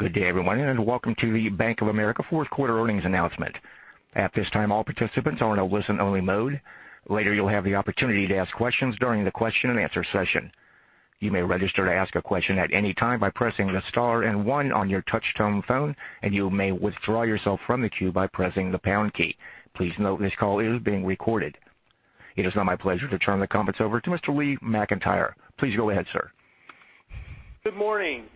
Good day, everyone. Welcome to the Bank of America Q4 earnings announcement. At this time, all participants are in a listen-only mode. Later, you'll have the opportunity to ask questions during the question-and-answer session. You may register to ask a question at any time by pressing the star and one on your touch-tone phone, and you may withdraw yourself from the queue by pressing the pound key. Please note this call is being recorded. It is now my pleasure to turn the conference over to Mr. Lee McEntire. Please go ahead, sir. Good morning.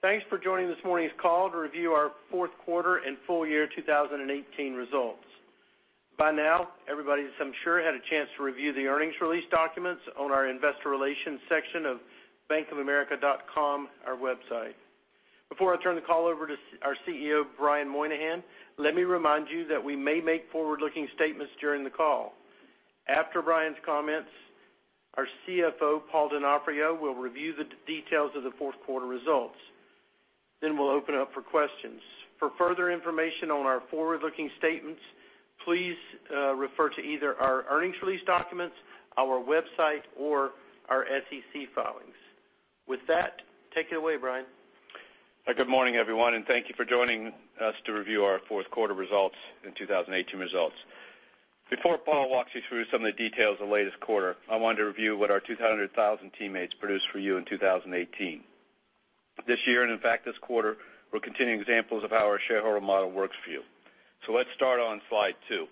Thanks for joining this morning's call to review our Q4 and full year 2018 results. By now, everybody, I'm sure, had a chance to review the earnings release documents on our investor relations section of bankofamerica.com, our website. Before I turn the call over to our CEO, Brian Moynihan, let me remind you that we may make forward-looking statements during the call. After Brian's comments, our CFO, Paul Donofrio, will review the details of Q4 results. We'll open up for questions. For further information on our forward-looking statements, please refer to either our earnings release documents, our website, or our SEC filings. With that, take it away, Brian. Good morning, everyone, thank you for joining us to review our Q4 results and 2018 results. Before Paul walks you through some of the details of the latest quarter, I wanted to review what our 200,000 teammates produced for you in 2018. This year, in fact, this quarter, we're continuing examples of how our shareholder model works for you. Let's start on Slide 2.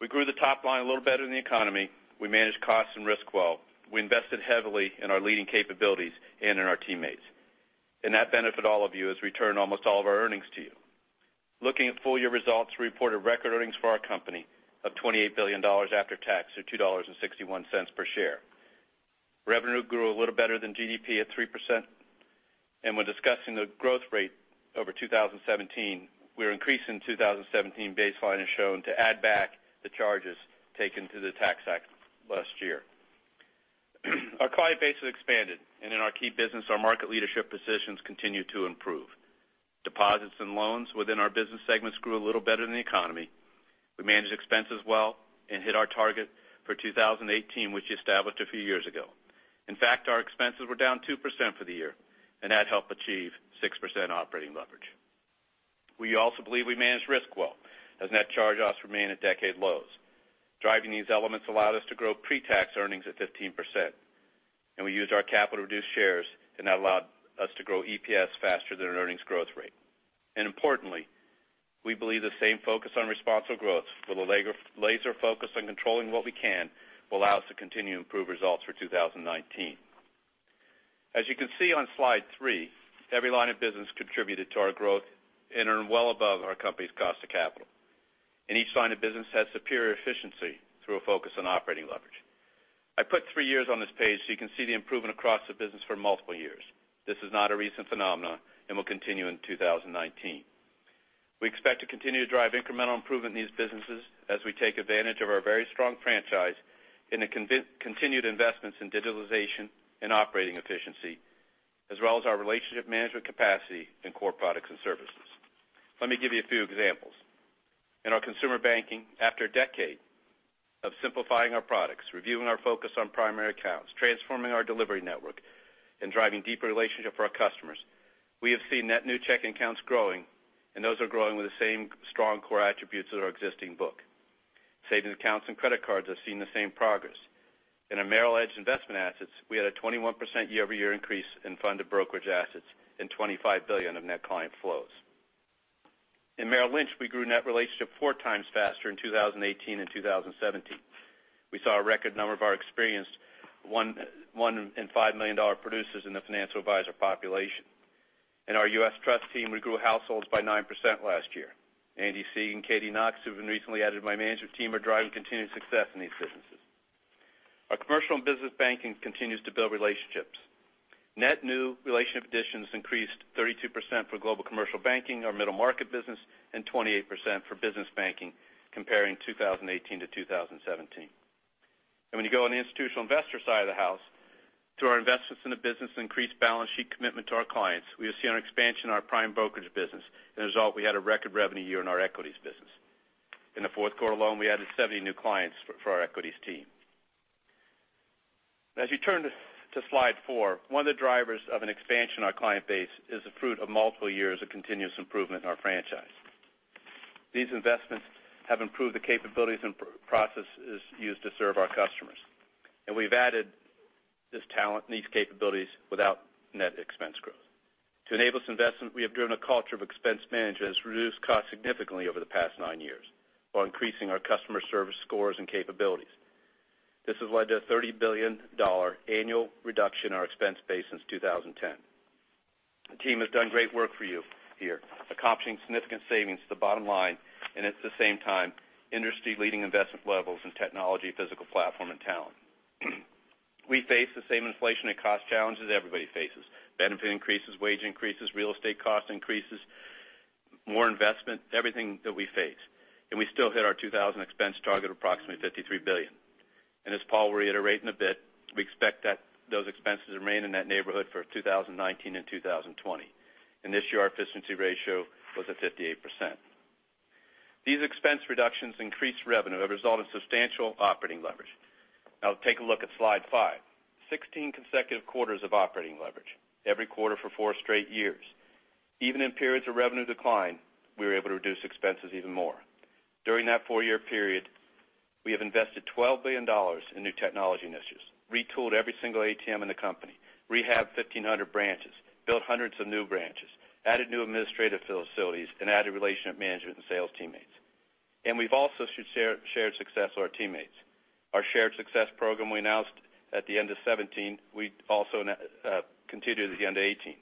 We grew the top line a little better than the economy. We managed costs and risk well. We invested heavily in our leading capabilities and in our teammates. That benefit all of you as we return almost all of our earnings to you. Looking at full-year results, we reported record earnings for our company of $28 billion after tax or $2.61 per share. Revenue grew a little better than GDP at 3%. When discussing the growth rate over 2017, we're increasing 2017 baseline as shown to add back the charges taken to the Tax Act last year. Our client base has expanded, and in our key business, our market leadership positions continue to improve. Deposits and loans within our business segments grew a little better than the economy. We managed expenses well and hit our target for 2018, which we established a few years ago. In fact, our expenses were down 2% for the year, and that helped achieve 6% operating leverage. We also believe we managed risk well, as net charge-offs remain at decade lows. Driving these elements allowed us to grow pre-tax earnings at 15%, and we used our capital to reduce shares, and that allowed us to grow EPS faster than our earnings growth rate. Importantly, we believe the same focus on responsible growth with a laser focus on controlling what we can will allow us to continue to improve results for 2019. As you can see on Slide 3, every line of business contributed to our growth and earned well above our company's cost of capital. Each line of business has superior efficiency through a focus on operating leverage. I put three years on this page so you can see the improvement across the business for multiple years. This is not a recent phenomenon and will continue in 2019. We expect to continue to drive incremental improvement in these businesses as we take advantage of our very strong franchise in the continued investments in digitalization and operating efficiency, as well as our relationship management capacity in core products and services. Let me give you a few examples. In our Consumer Banking, after a decade of simplifying our products, reviewing our focus on primary accounts, transforming our delivery network, and driving deeper relationships with our customers, we have seen net new checking accounts growing, and those are growing with the same strong core attributes of our existing book. Savings accounts and credit cards have seen the same progress. In our Merrill Edge investment assets, we had a 21% year-over-year increase in funded brokerage assets and $25 billion of net client flows. In Merrill Lynch, we grew net relationship four times faster in 2018 than 2017. We saw a record number of our experienced one in five million-dollar producers in the financial advisor population. In our U.S. Trust team, we grew households by 9% last year. Andy Sieg and Katy Knox, who have been recently added to my management team, are driving continued success in these businesses. Our Commercial and Business Banking continues to build relationships. Net new relationship additions increased 32% for Global Commercial Banking, our middle market business, and 28% for Business Banking comparing 2018 to 2017. When you go on the institutional investor side of the house, through our investments in the business and increased balance sheet commitment to our clients, we have seen an expansion in our prime brokerage business. As a result, we had a record revenue year in our equities business. In Q4 alone, we added 70 new clients for our equities team. As you turn to Slide 4, one of the drivers of an expansion in our client base is the fruit of multiple years of continuous improvement in our franchise. These investments have improved the capabilities and processes used to serve our customers, and we've added this talent and these capabilities without net expense growth. To enable this investment, we have driven a culture of expense management that has reduced costs significantly over the past nine years while increasing our customer service scores and capabilities. This has led to a $30 billion annual reduction in our expense base since 2010. The team has done great work for you here, accomplishing significant savings at the bottom line, and at the same time, industry-leading investment levels in technology, physical platform, and talent. We face the same inflation and cost challenges everybody faces. Benefit increases, wage increases, real estate cost increases, more investment, everything that we face. We still hit our expense target of approximately $53 billion. As Paul will reiterate in a bit, we expect that those expenses remain in that neighborhood for 2019 and 2020. This year, our efficiency ratio was at 58%. These expense reductions increase revenue that result in substantial operating leverage. Take a look at Slide 5. 16 consecutive quarters of operating leverage, every quarter for 4 straight years. Even in periods of revenue decline, we were able to reduce expenses even more. During that 4-year period, we have invested $12 billion in new technology initiatives, retooled every single ATM in the company, rehabbed 1,500 branches, built hundreds of new branches, added new administrative facilities, and added relationship management and sales teammates. We've also shared success with our teammates. Our Shared Success program we announced at the end of 2017, we also continued at the end of 2018.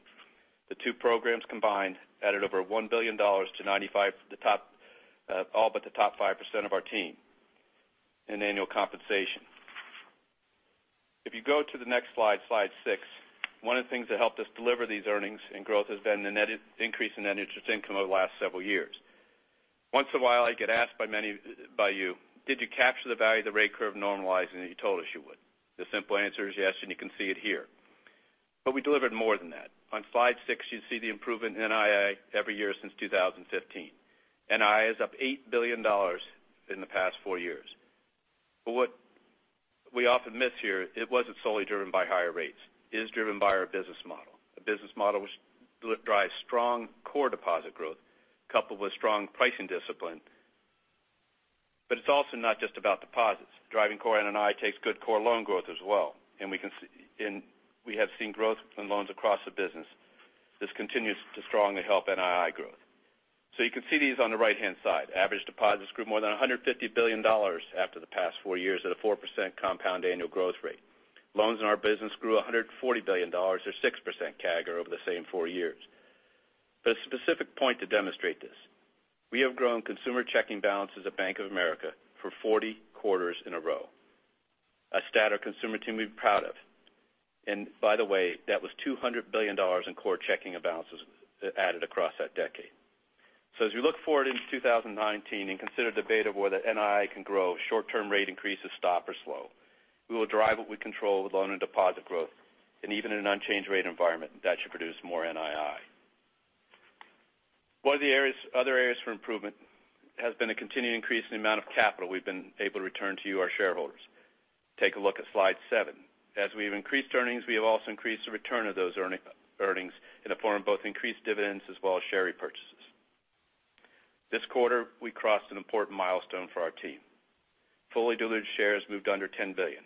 The two programs combined added over $1 billion to all but top 5% of our team in annual compensation. If you go to the next Slide 6, one of the things that helped us deliver these earnings and growth has been the increase in net interest income over the last several years. Once in a while, I get asked by you, "Did you capture the value of the rate curve normalizing that you told us you would?" The simple answer is yes, and you can see it here. We delivered more than that. On Slide 6, you see the improvement in NII every year since 2015. NII is up $8 billion in the past four years. What we often miss here, it wasn't solely driven by higher rates. It is driven by our business model, a business model which drives strong core deposit growth, coupled with strong pricing discipline. It's also not just about deposits. Driving core NII takes good core loan growth as well, we have seen growth in loans across the business. This continues to strongly help NII growth. You can see these on the right-hand side. Average deposits grew more than $150 billion after the past four years at a 4% compound annual growth rate. Loans in our business grew $140 billion or 6% CAGR over the same four years. A specific point to demonstrate this. We have grown consumer checking balances at Bank of America for 40 quarters in a row, a stat our consumer team can be proud of. By the way, that was $200 billion in core checking balances added across that decade. As we look forward into 2019 and consider the beta where the NII can grow, short-term rate increases stop or slow. We will drive what we control with loan and deposit growth, even in an unchanged rate environment, that should produce more NII. One of the other areas for improvement has been a continued increase in the amount of capital we've been able to return to you, our shareholders. Take a look at Slide 7. As we've increased earnings, we have also increased the return of those earnings in the form of both increased dividends as well as share repurchases. This quarter, we crossed an important milestone for our team. Fully diluted shares moved under $10 billion,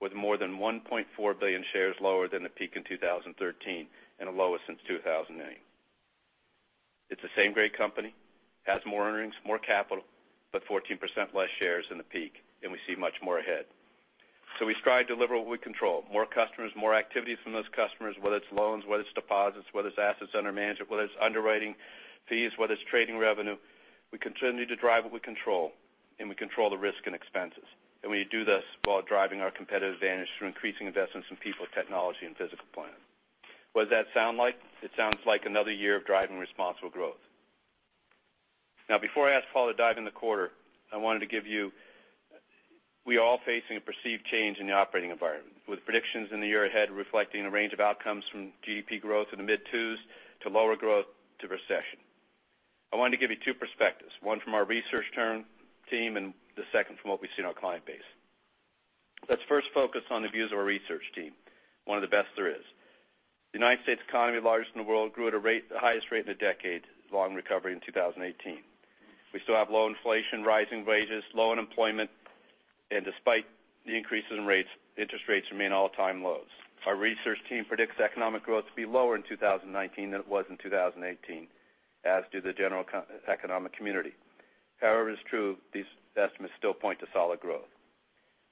with more than $1.4 billion shares lower than the peak in 2013 and the lowest since 2009. It's the same great company, has more earnings, more capital, 14% less shares than the peak, we see much more ahead. We strive to deliver what we control, more customers, more activities from those customers, whether it's loans, whether it's deposits, whether it's assets under management, whether it's underwriting fees, whether it's trading revenue. We continue to drive what we control, and we control the risk and expenses. We do this while driving our competitive advantage through increasing investments in people, technology, and physical plant. What does that sound like? It sounds like another year of driving responsible growth. Before I ask Paul to dive in the quarter, I wanted to give you, we are all facing a perceived change in the operating environment, with predictions in the year ahead reflecting a range of outcomes from GDP growth in the mid twos to lower growth to recession. I wanted to give you two perspectives, one from our research team, and the second from what we see in our client base. Let's first focus on the views of our research team, one of the best there is. The U.S. economy, largest in the world, grew at the highest rate in a decade-long recovery in 2018. We still have low inflation, rising wages, low unemployment, and despite the increases in rates, interest rates remain all-time lows. Our research team predicts economic growth to be lower in 2019 than it was in 2018, as do the general economic community. However, it's true, these estimates still point to solid growth.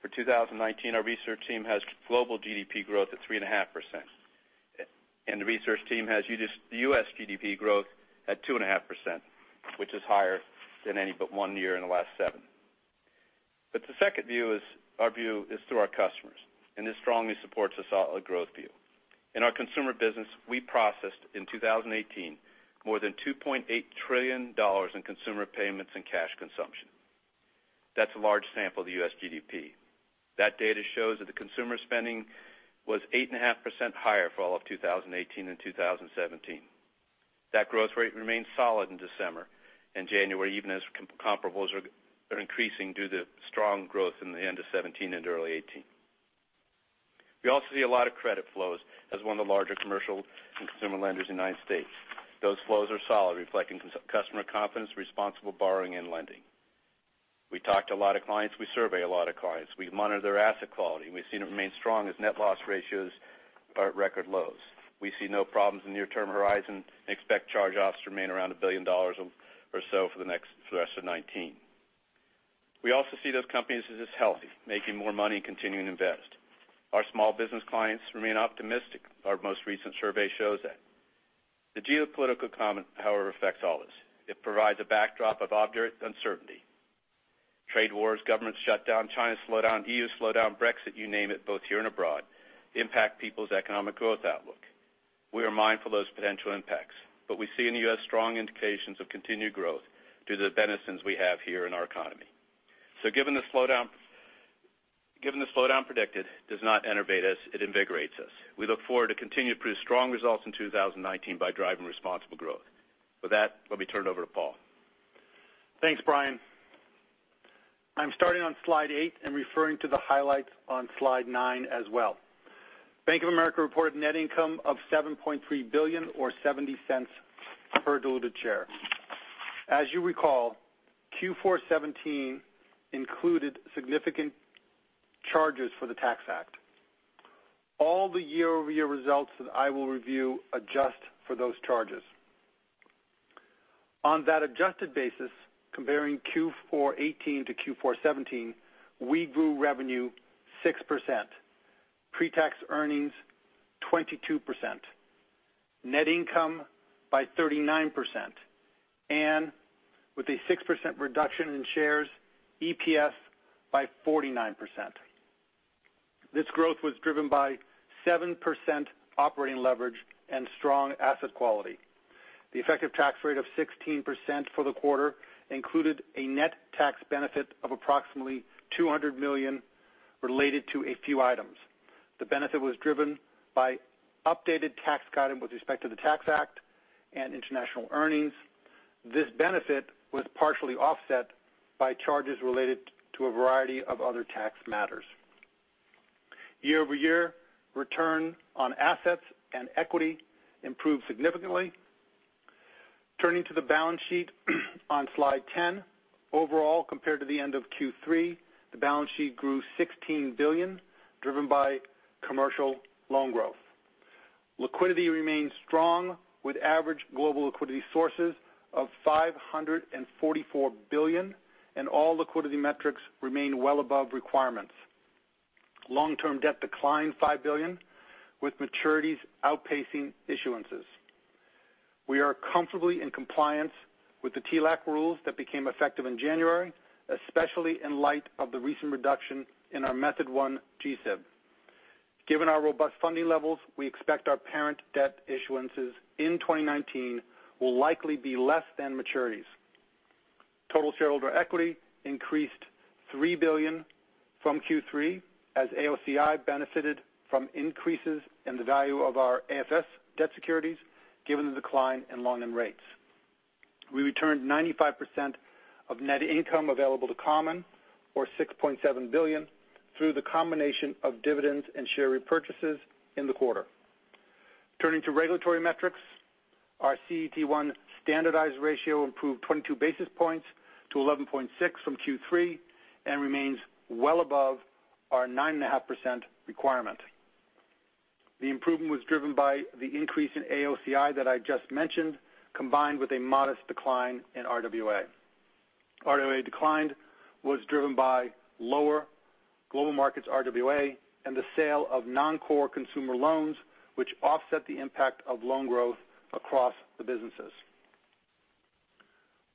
For 2019, our research team has global GDP growth at 3.5%, and the research team has the U.S. GDP growth at 2.5%, which is higher than any but one year in the last seven. The second view is our view is through our customers, and this strongly supports a solid growth view. In our consumer business, we processed in 2018 more than $2.8 trillion in consumer payments and cash consumption. That's a large sample of the U.S. GDP. That data shows that the consumer spending was 8.5% higher for all of 2018 than 2017. That growth rate remains solid in December and January, even as comparables are increasing due to strong growth in the end of 2017 into early 2018. We also see a lot of credit flows as one of the larger commercial and consumer lenders in the U.S. Those flows are solid, reflecting customer confidence, responsible borrowing, and lending. We talk to a lot of clients. We survey a lot of clients. We monitor their asset quality, we've seen it remain strong as net loss ratios are at record lows. We see no problems in near-term horizon and expect charge-offs to remain around $1 billion or so for the rest of 2019. We also see those companies as healthy, making more money and continuing to invest. Our small business clients remain optimistic. Our most recent survey shows that. The geopolitical climate, however, affects all this. It provides a backdrop of uncertainty. Trade wars, government shutdown, China slowdown, EU slowdown, Brexit, you name it, both here and abroad, impact people's economic growth outlook. We are mindful of those potential impacts, but we see in the U.S. strong indications of continued growth due to the foundations we have here in our economy. Given the slowdown predicted does not enervate us, it invigorates us. We look forward to continue to produce strong results in 2019 by driving responsible growth. With that, let me turn it over to Paul. Thanks, Brian. I'm starting on Slide 8 and referring to the highlights on Slide 9 as well. Bank of America reported net income of $7.3 billion, or $0.70 per diluted share. As you recall, Q4 2017 included significant charges for the Tax Act. All the year-over-year results that I will review adjust for those charges. On that adjusted basis, comparing Q4 2018 to Q4 2017, we grew revenue 6%, pre-tax earnings 22%, net income by 39%, and with a 6% reduction in shares, EPS by 49%. This growth was driven by 7% operating leverage and strong asset quality. The effective tax rate of 16% for the quarter included a net tax benefit of approximately $200 million related to a few items. The benefit was driven by updated tax guidance with respect to the Tax Act and international earnings. This benefit was partially offset by charges related to a variety of other tax matters. Year-over-year return on assets and equity improved significantly. Turning to the balance sheet on Slide 10. Overall, compared to the end of Q3, the balance sheet grew $16 billion, driven by commercial loan growth. Liquidity remains strong with average global liquidity sources of $544 billion and all liquidity metrics remain well above requirements. Long-term debt declined $5 billion with maturities outpacing issuances. We are comfortably in compliance with the TLAC rules that became effective in January, especially in light of the recent reduction in our Method One GSIB. Given our robust funding levels, we expect our parent debt issuances in 2019 will likely be less than maturities. Total shareholder equity increased $3 billion from Q3 as AOCI benefited from increases in the value of our AFS debt securities, given the decline in long-term rates. We returned 95% of net income available to common, or $6.7 billion, through the combination of dividends and share repurchases in the quarter. Turning to regulatory metrics, our CET1 standardized ratio improved 22 basis points to 11.6 from Q3 and remains well above our 9.5% requirement. The improvement was driven by the increase in AOCI that I just mentioned, combined with a modest decline in RWA. RWA decline was driven by lower Global Markets RWA and the sale of non-core consumer loans, which offset the impact of loan growth across the businesses.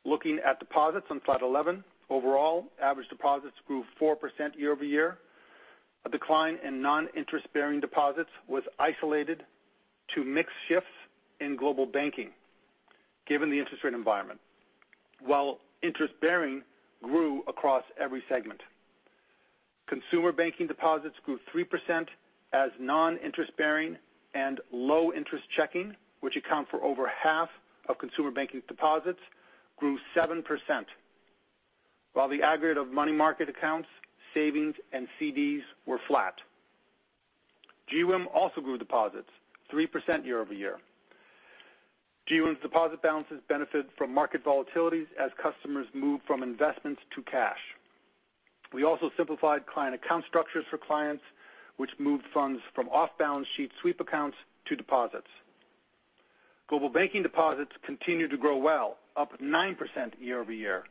Looking at deposits on Slide 11. Overall, average deposits grew 4% year-over-year. A decline in non-interest-bearing deposits was isolated to mix shifts in Global Banking given the interest rate environment, while interest-bearing grew across every segment. Consumer Banking deposits grew 3% as non-interest-bearing and low interest checking, which account for over half of Consumer Banking deposits, grew 7%, while the aggregate of money market accounts, savings, and CDs were flat. GWIM also grew deposits 3% year-over-year. GWIM's deposit balances benefit from market volatilities as customers move from investments to cash. We also simplified client account structures for clients, which moved funds from off-balance sheet sweep accounts to deposits. Global Banking deposits continued to grow well, up 9% year-over-year,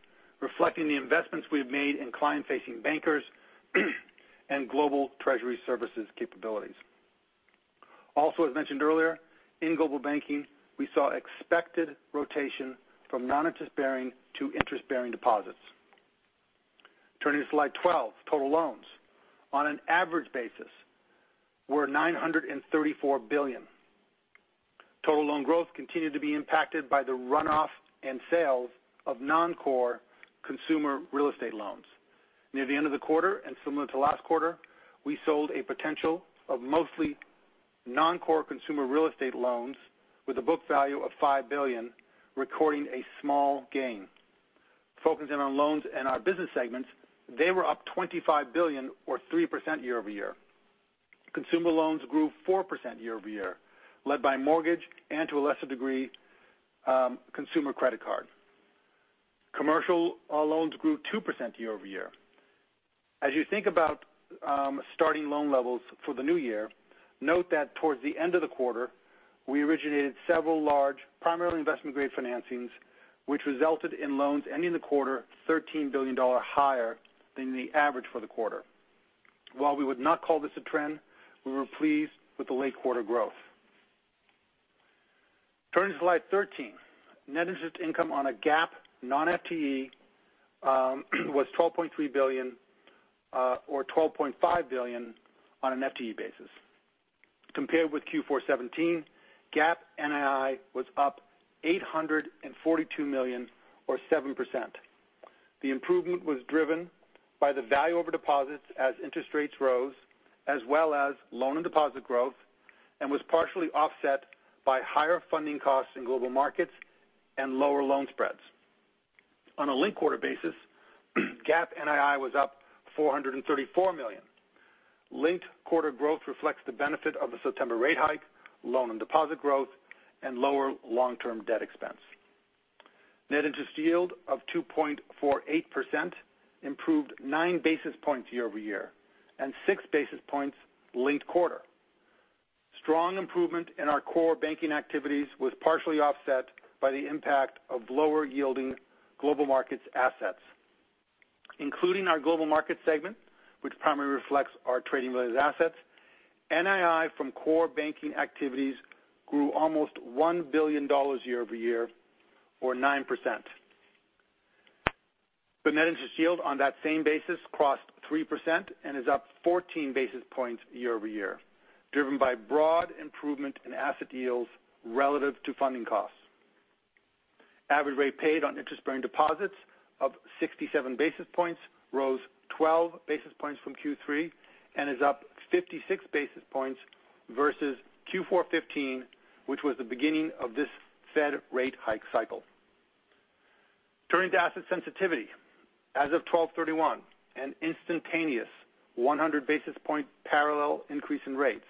reflecting the investments we've made in client-facing bankers and Global Treasury Services capabilities. As mentioned earlier, in Global Banking, we saw expected rotation from non-interest-bearing to interest-bearing deposits. Turning to Slide 12, total loans on an average basis were $934 billion. Total loan growth continued to be impacted by the runoff and sales of non-core consumer real estate loans. Near the end of the quarter and similar to last quarter, we sold a potential of mostly non-core consumer real estate loans with a book value of $5 billion, recording a small gain. Focusing on loans in our business segments, they were up $25 billion or 3% year-over-year. Consumer loans grew 4% year-over-year, led by mortgage and, to a lesser degree, consumer credit card. Commercial loans grew 2% year-over-year. As you think about starting loan levels for the new year, note that towards the end of the quarter, we originated several large, primarily investment-grade financings, which resulted in loans ending the quarter $13 billion higher than the average for the quarter. While we would not call this a trend, we were pleased with the late quarter growth. Turning to Slide 13. Net Interest Income on a GAAP non-FTE was $12.3 billion, or $12.5 billion on an FTE basis. Compared with Q4 2017, GAAP NII was up $842 million or 7%. The improvement was driven by the value over deposits as interest rates rose, as well as loan and deposit growth, and was partially offset by higher funding costs in Global Markets and lower loan spreads. On a linked-quarter basis, GAAP NII was up $434 million. Linked-quarter growth reflects the benefit of the September rate hike, loan and deposit growth, and lower long-term debt expense. Net interest yield of 2.48% improved nine basis points year-over-year and six basis points linked-quarter. Strong improvement in our core banking activities was partially offset by the impact of lower yielding Global Markets assets, including our Global Markets segment, which primarily reflects our trading-related assets. NII from core banking activities grew almost $1 billion year-over-year or 9%. The net interest yield on that same basis crossed 3% and is up 14 basis points year-over-year, driven by broad improvement in asset yields relative to funding costs. Average rate paid on interest-bearing deposits of 67 basis points rose 12 basis points from Q3 and is up 56 basis points versus Q4 2015, which was the beginning of this Fed rate hike cycle. Turning to asset sensitivity. As of 12/31, an instantaneous 100 basis point parallel increase in rates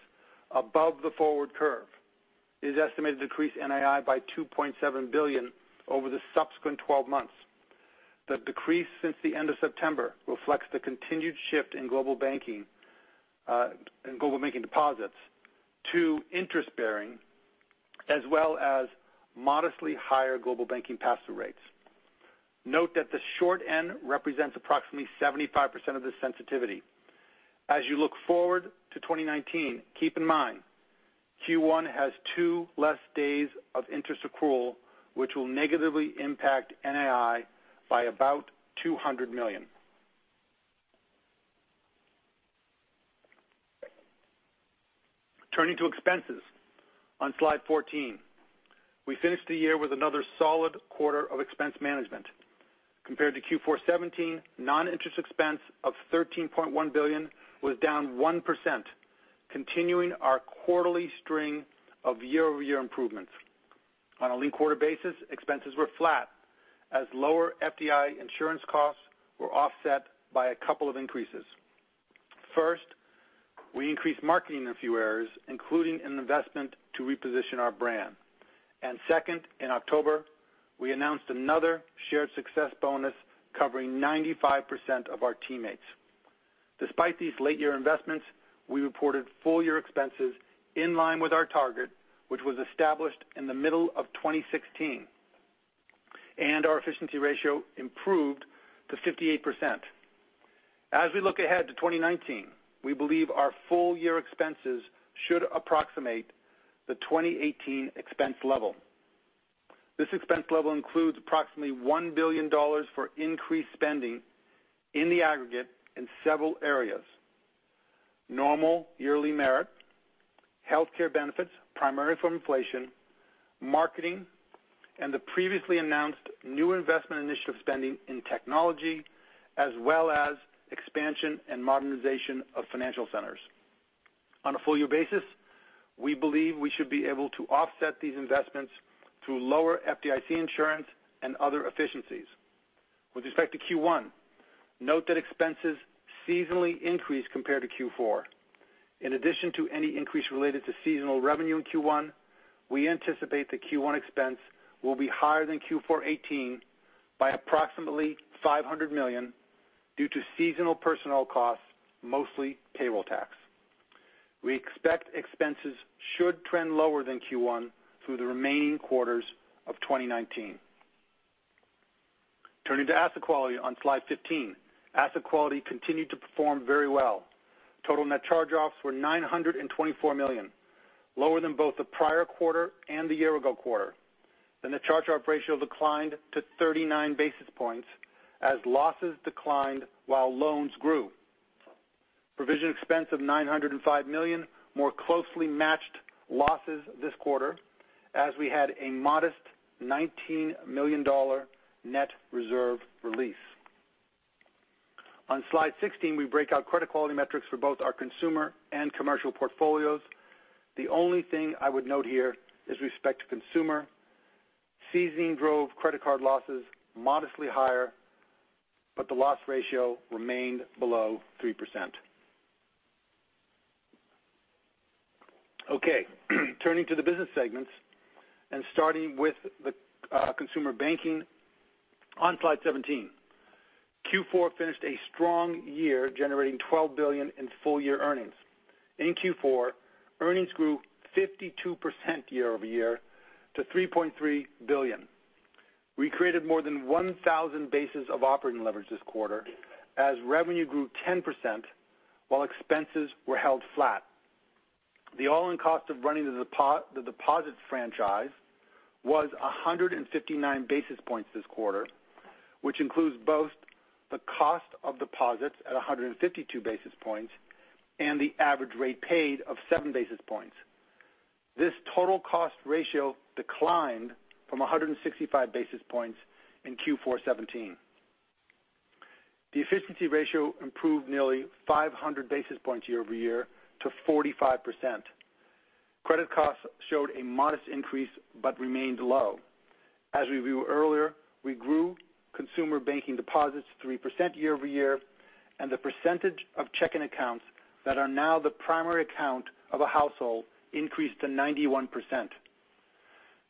above the forward curve is estimated to decrease NII by $2.7 billion over the subsequent 12 months. The decrease since the end of September reflects the continued shift in Global Banking deposits to interest-bearing, as well as modestly higher Global Banking pass-through rates. Note that the short end represents approximately 75% of the sensitivity. As you look forward to 2019, keep in mind, Q1 has two less days of interest accrual, which will negatively impact NII by about $200 million. Turning to expenses on Slide 14. We finished the year with another solid quarter of expense management. Compared to Q4 2017, non-interest expense of $13.1 billion was down 1%, continuing our quarterly string of year-over-year improvements. On a linked-quarter basis, expenses were flat as lower FDIC insurance costs were offset by a couple of increases. First, we increased marketing in a few areas, including an investment to reposition our brand. Second, in October, we announced another shared success bonus covering 95% of our teammates. Despite these late-year investments, we reported full-year expenses in line with our target, which was established in the middle of 2016. Our efficiency ratio improved to 58%. As we look ahead to 2019, we believe our full-year expenses should approximate the 2018 expense level. This expense level includes approximately $1 billion for increased spending in the aggregate in several areas: normal yearly merit, healthcare benefits primarily from inflation, marketing, and the previously announced new investment initiative spending in technology, as well as expansion and modernization of financial centers. On a full-year basis, we believe we should be able to offset these investments through lower FDIC insurance and other efficiencies. With respect to Q1, note that expenses seasonally increased compared to Q4. In addition to any increase related to seasonal revenue in Q1, we anticipate that Q1 expense will be higher than Q4 2018 by approximately $500 million due to seasonal personnel costs, mostly payroll tax. We expect expenses should trend lower than Q1 through the remaining quarters of 2019. Turning to asset quality on Slide 15. Asset quality continued to perform very well. Total net charge-offs were $924 million, lower than both the prior quarter and the year-ago quarter. The net charge-off ratio declined to 39 basis points as losses declined while loans grew. Provision expense of $905 million more closely matched losses this quarter, as we had a modest $19 million net reserve release. On Slide 16, we break out credit quality metrics for both our consumer and commercial portfolios. The only thing I would note here is with respect to consumer. Seasoning drove credit card losses modestly higher, but the loss ratio remained below 3%. Okay. Turning to the business segments and starting with the Consumer Banking on Slide 17. Q4 finished a strong year, generating $12 billion in full-year earnings. In Q4, earnings grew 52% year-over-year to $3.3 billion. We created more than 1,000 basis of operating leverage this quarter as revenue grew 10% while expenses were held flat. The all-in cost of running the deposits franchise was 159 basis points this quarter, which includes both the cost of deposits at 152 basis points and the average rate paid of seven basis points. This total cost ratio declined from 165 basis points in Q4 2017. The efficiency ratio improved nearly 500 basis points year-over-year to 45%. Credit costs showed a modest increase but remained low. As we reviewed earlier, we grew Consumer Banking deposits 3% year-over-year, and the percentage of checking accounts that are now the primary account of a household increased to 91%.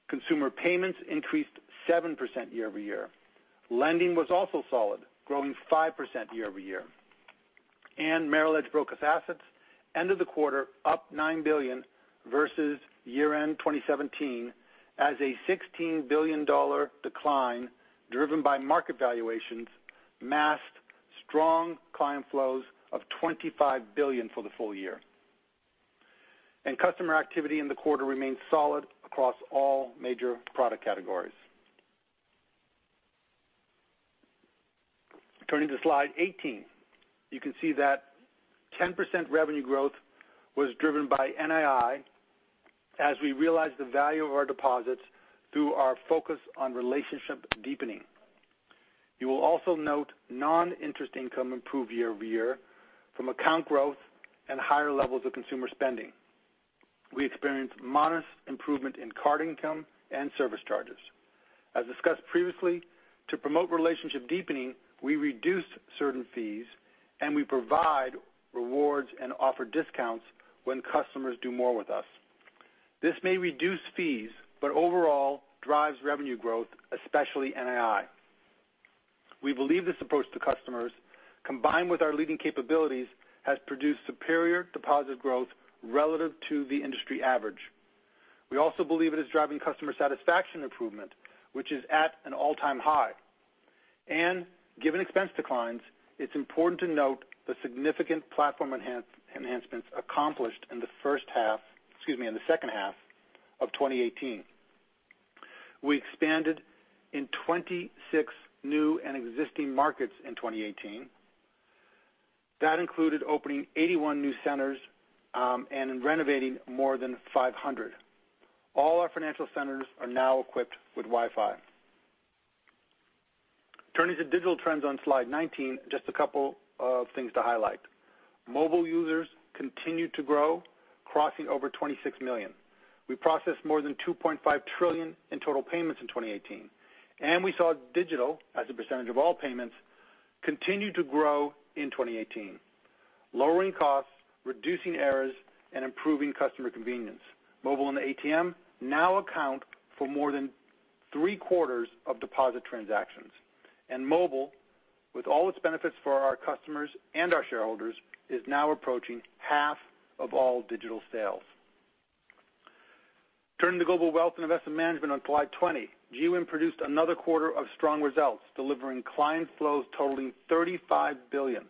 Consumer payments increased 7% year-over-year. Lending was also solid, growing 5% year-over-year. Merrill Edge brokers assets ended the quarter up $9 billion versus year-end 2017 as a $16 billion decline, driven by market valuations, masked strong client flows of $25 billion for the full year. Customer activity in the quarter remains solid across all major product categories. Turning to Slide 18. You can see that 10% revenue growth was driven by NII as we realized the value of our deposits through our focus on relationship deepening. You will also note non-interest income improved year-over-year from account growth and higher levels of consumer spending. We experienced modest improvement in card income and service charges. As discussed previously, to promote relationship deepening, we reduced certain fees, we provide rewards and offer discounts when customers do more with us. This may reduce fees, but overall drives revenue growth, especially NII. We believe this approach to customers, combined with our leading capabilities, has produced superior deposit growth relative to the industry average. We also believe it is driving customer satisfaction improvement, which is at an all-time high. Given expense declines, it's important to note the significant platform enhancements accomplished in the second half of 2018. We expanded in 26 new and existing markets in 2018. That included opening 81 new centers and renovating more than 500. All our financial centers are now equipped with Wi-Fi. Turning to digital trends on Slide 19, just a couple of things to highlight. Mobile users continued to grow, crossing over 26 million. We processed more than $2.5 trillion in total payments in 2018. We saw digital, as a percentage of all payments, continue to grow in 2018, lowering costs, reducing errors, and improving customer convenience. Mobile and ATM now account for more than three-quarters of deposit transactions. Mobile, with all its benefits for our customers and our shareholders, is now approaching half of all digital sales. Turning to Global Wealth and Investment Management on Slide 20. GWIM produced another quarter of strong results, delivering client flows totaling $35 billion,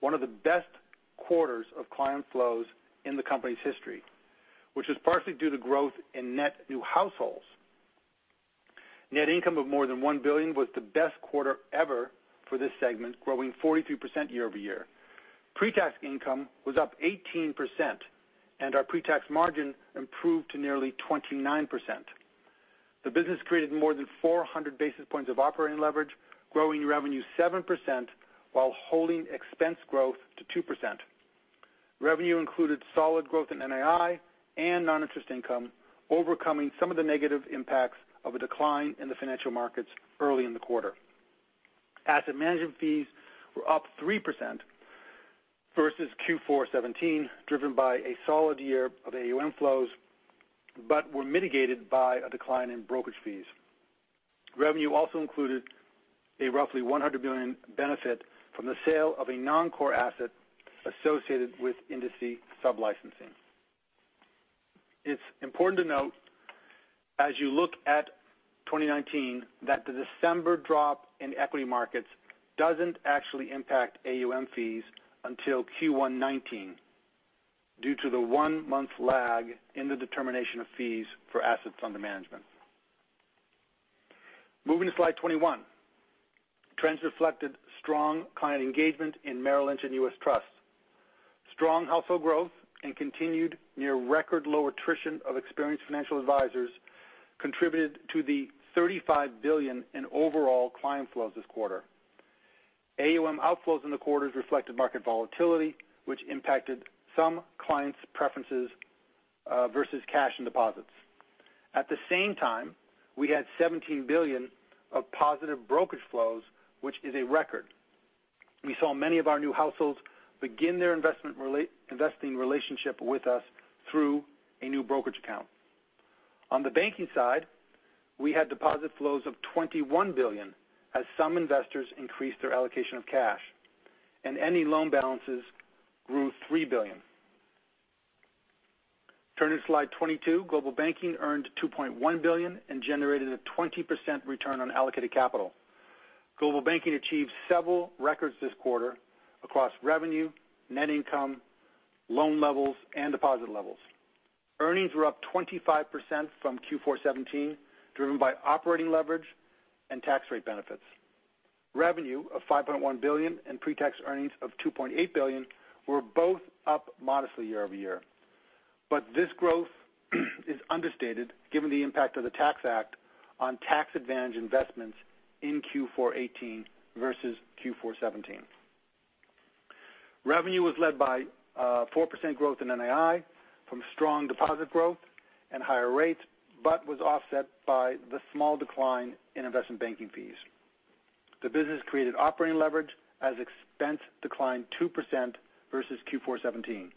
one of the best quarters of client flows in the company's history, which is partially due to growth in net new households. Net income of more than $1 billion was the best quarter ever for this segment, growing 43% year-over-year. Pre-tax income was up 18%, and our pre-tax margin improved to nearly 29%. The business created more than 400 basis points of operating leverage, growing revenue 7% while holding expense growth to 2%. Revenue included solid growth in NII and non-interest income, overcoming some of the negative impacts of a decline in the financial markets early in the quarter. Asset management fees were up 3% versus Q4 2017, driven by a solid year of AUM flows, but were mitigated by a decline in brokerage fees. Revenue also included a roughly $100 billion benefit from the sale of a non-core asset associated with Indicee sub-licensing. It's important to note, as you look at 2019, that the December drop in equity markets doesn't actually impact AUM fees until Q1 2019 due to the one-month lag in the determination of fees for assets under management. Moving to Slide 21. Trends reflected strong client engagement in Merrill Lynch and U.S. Trust. Strong household growth and continued near record low attrition of experienced financial advisors contributed to the $35 billion in overall client flows this quarter. AUM outflows in the quarters reflected market volatility, which impacted some clients' preferences versus cash and deposits. At the same time, we had $17 billion of positive brokerage flows, which is a record. We saw many of our new households begin their investing relationship with us through a new brokerage account. On the banking side, we had deposit flows of $21 billion as some investors increased their allocation of cash, any loan balances grew $3 billion. Turning to Slide 22. Global Banking earned $2.1 billion and generated a 20% return on allocated capital. Global Banking achieved several records this quarter across revenue, net income, loan levels, and deposit levels. Earnings were up 25% from Q4 2017, driven by operating leverage and tax rate benefits. Revenue of $5.1 billion and pre-tax earnings of $2.8 billion were both up modestly year-over-year. This growth is understated given the impact of the Tax Act on tax advantage investments in Q4 2018 versus Q4 2017. Revenue was led by 4% growth in NAI from strong deposit growth and higher rates, was offset by the small decline in investment banking fees. The business created operating leverage as expense declined 2% versus Q4 2017.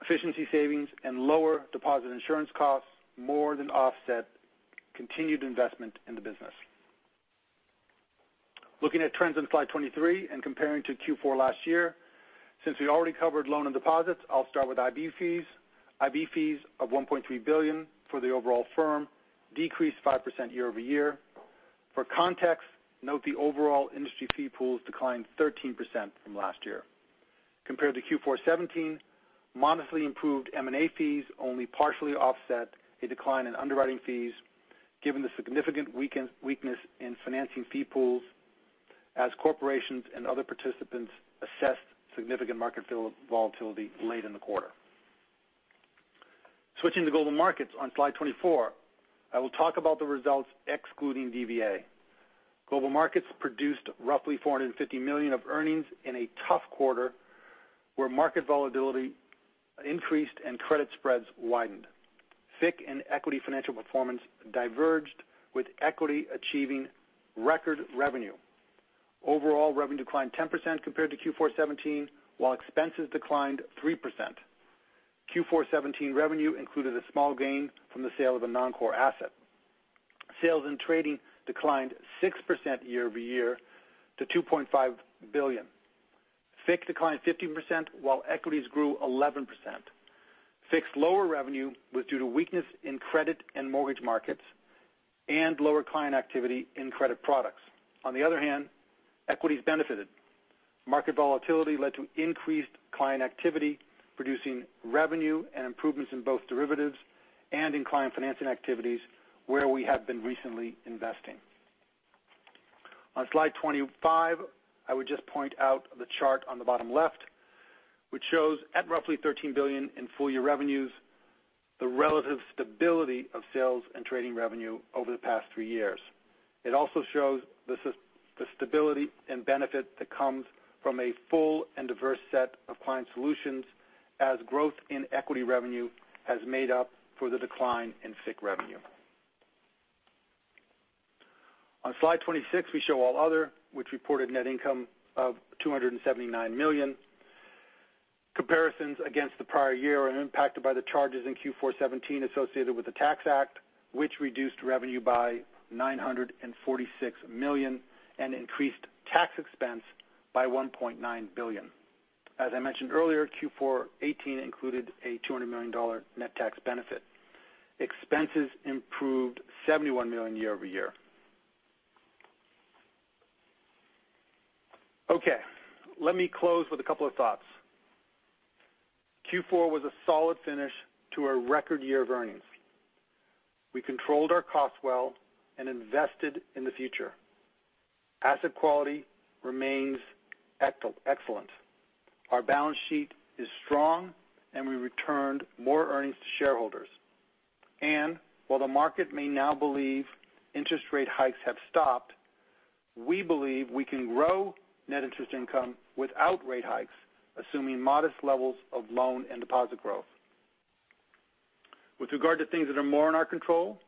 Efficiency savings and lower deposit insurance costs more than offset continued investment in the business. Looking at trends on Slide 23 and comparing to Q4 last year, since we already covered loan and deposits, I will start with IB fees. IB fees of $1.3 billion for the overall firm decreased 5% year-over-year. For context, note the overall industry fee pools declined 13% from last year. Compared to Q4 2017, modestly improved M&A fees only partially offset a decline in underwriting fees, given the significant weakness in financing fee pools as corporations and other participants assessed significant market volatility late in the quarter. Switching to Global Markets on Slide 24, I will talk about the results excluding DVA. Global Markets produced roughly $450 million of earnings in a tough quarter where market volatility increased and credit spreads widened. FICC and equity financial performance diverged, with equity achieving record revenue. Overall, revenue declined 10% compared to Q4 2017, while expenses declined 3%. Q4 2017 revenue included a small gain from the sale of a non-core asset. Sales in trading declined 6% year-over-year to $2.5 billion. FICC declined 15%, while equities grew 11%. FICC's lower revenue was due to weakness in credit and mortgage markets and lower client activity in credit products. On the other hand, equities benefited. Market volatility led to increased client activity, producing revenue and improvements in both derivatives and in client financing activities where we have been recently investing. On Slide 25, I would just point out the chart on the bottom left, which shows at roughly $13 billion in full-year revenues, the relative stability of sales and trading revenue over the past three years. It also shows the stability and benefit that comes from a full and diverse set of client solutions as growth in equity revenue has made up for the decline in FICC revenue. On Slide 26, we show all other, which reported net income of $279 million. Comparisons against the prior year are impacted by the charges in Q4 2017 associated with the Tax Act, which reduced revenue by $946 million and increased tax expense by $1.9 billion. As I mentioned earlier, Q4 2018 included a $200 million net tax benefit. Expenses improved $71 million year-over-year. Okay. Let me close with a couple of thoughts. Q4 was a solid finish to a record year of earnings. We controlled our costs well and invested in the future. Asset quality remains excellent. Our balance sheet is strong, and we returned more earnings to shareholders. While the market may now believe interest rate hikes have stopped, we believe we can grow net interest income without rate hikes, assuming modest levels of loan and deposit growth. With regard to things that are more in our control,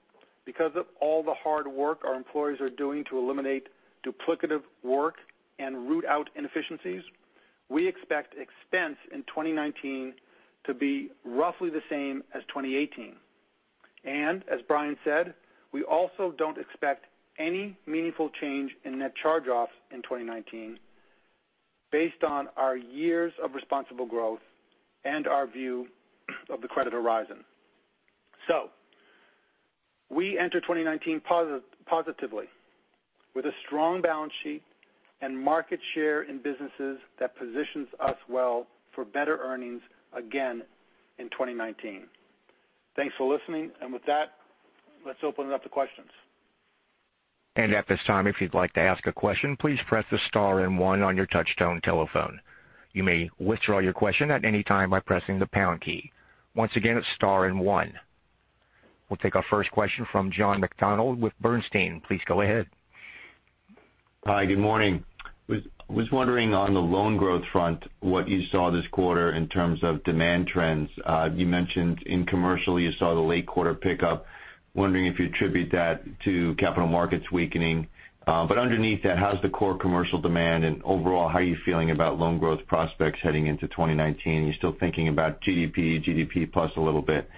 because of all the hard work our employees are doing to eliminate duplicative work and root out inefficiencies, we expect expense in 2019 to be roughly the same as 2018. As Brian said, we also don't expect any meaningful change in net charge-offs in 2019 based on our years of responsible growth and our view of the credit horizon. We enter 2019 positively with a strong balance sheet and market share in businesses that positions us well for better earnings again in 2019. Thanks for listening. With that, let's open it up to questions. At this time, if you'd like to ask a question, please press the star and one on your touchtone telephone. You may withdraw your question at any time by pressing the pound key. Once again, it's star and one. We'll take our first question from John McDonald with Bernstein. Please go ahead. Hi, good morning. I was wondering on the loan growth front, what you saw this quarter in terms of demand trends. You mentioned in commercial, you saw the late quarter pickup. Wondering if you attribute that to capital markets weakening. Underneath that, how's the core commercial demand, and overall, how are you feeling about loan growth prospects heading into 2019? Are you still thinking about GDP plus a little bit,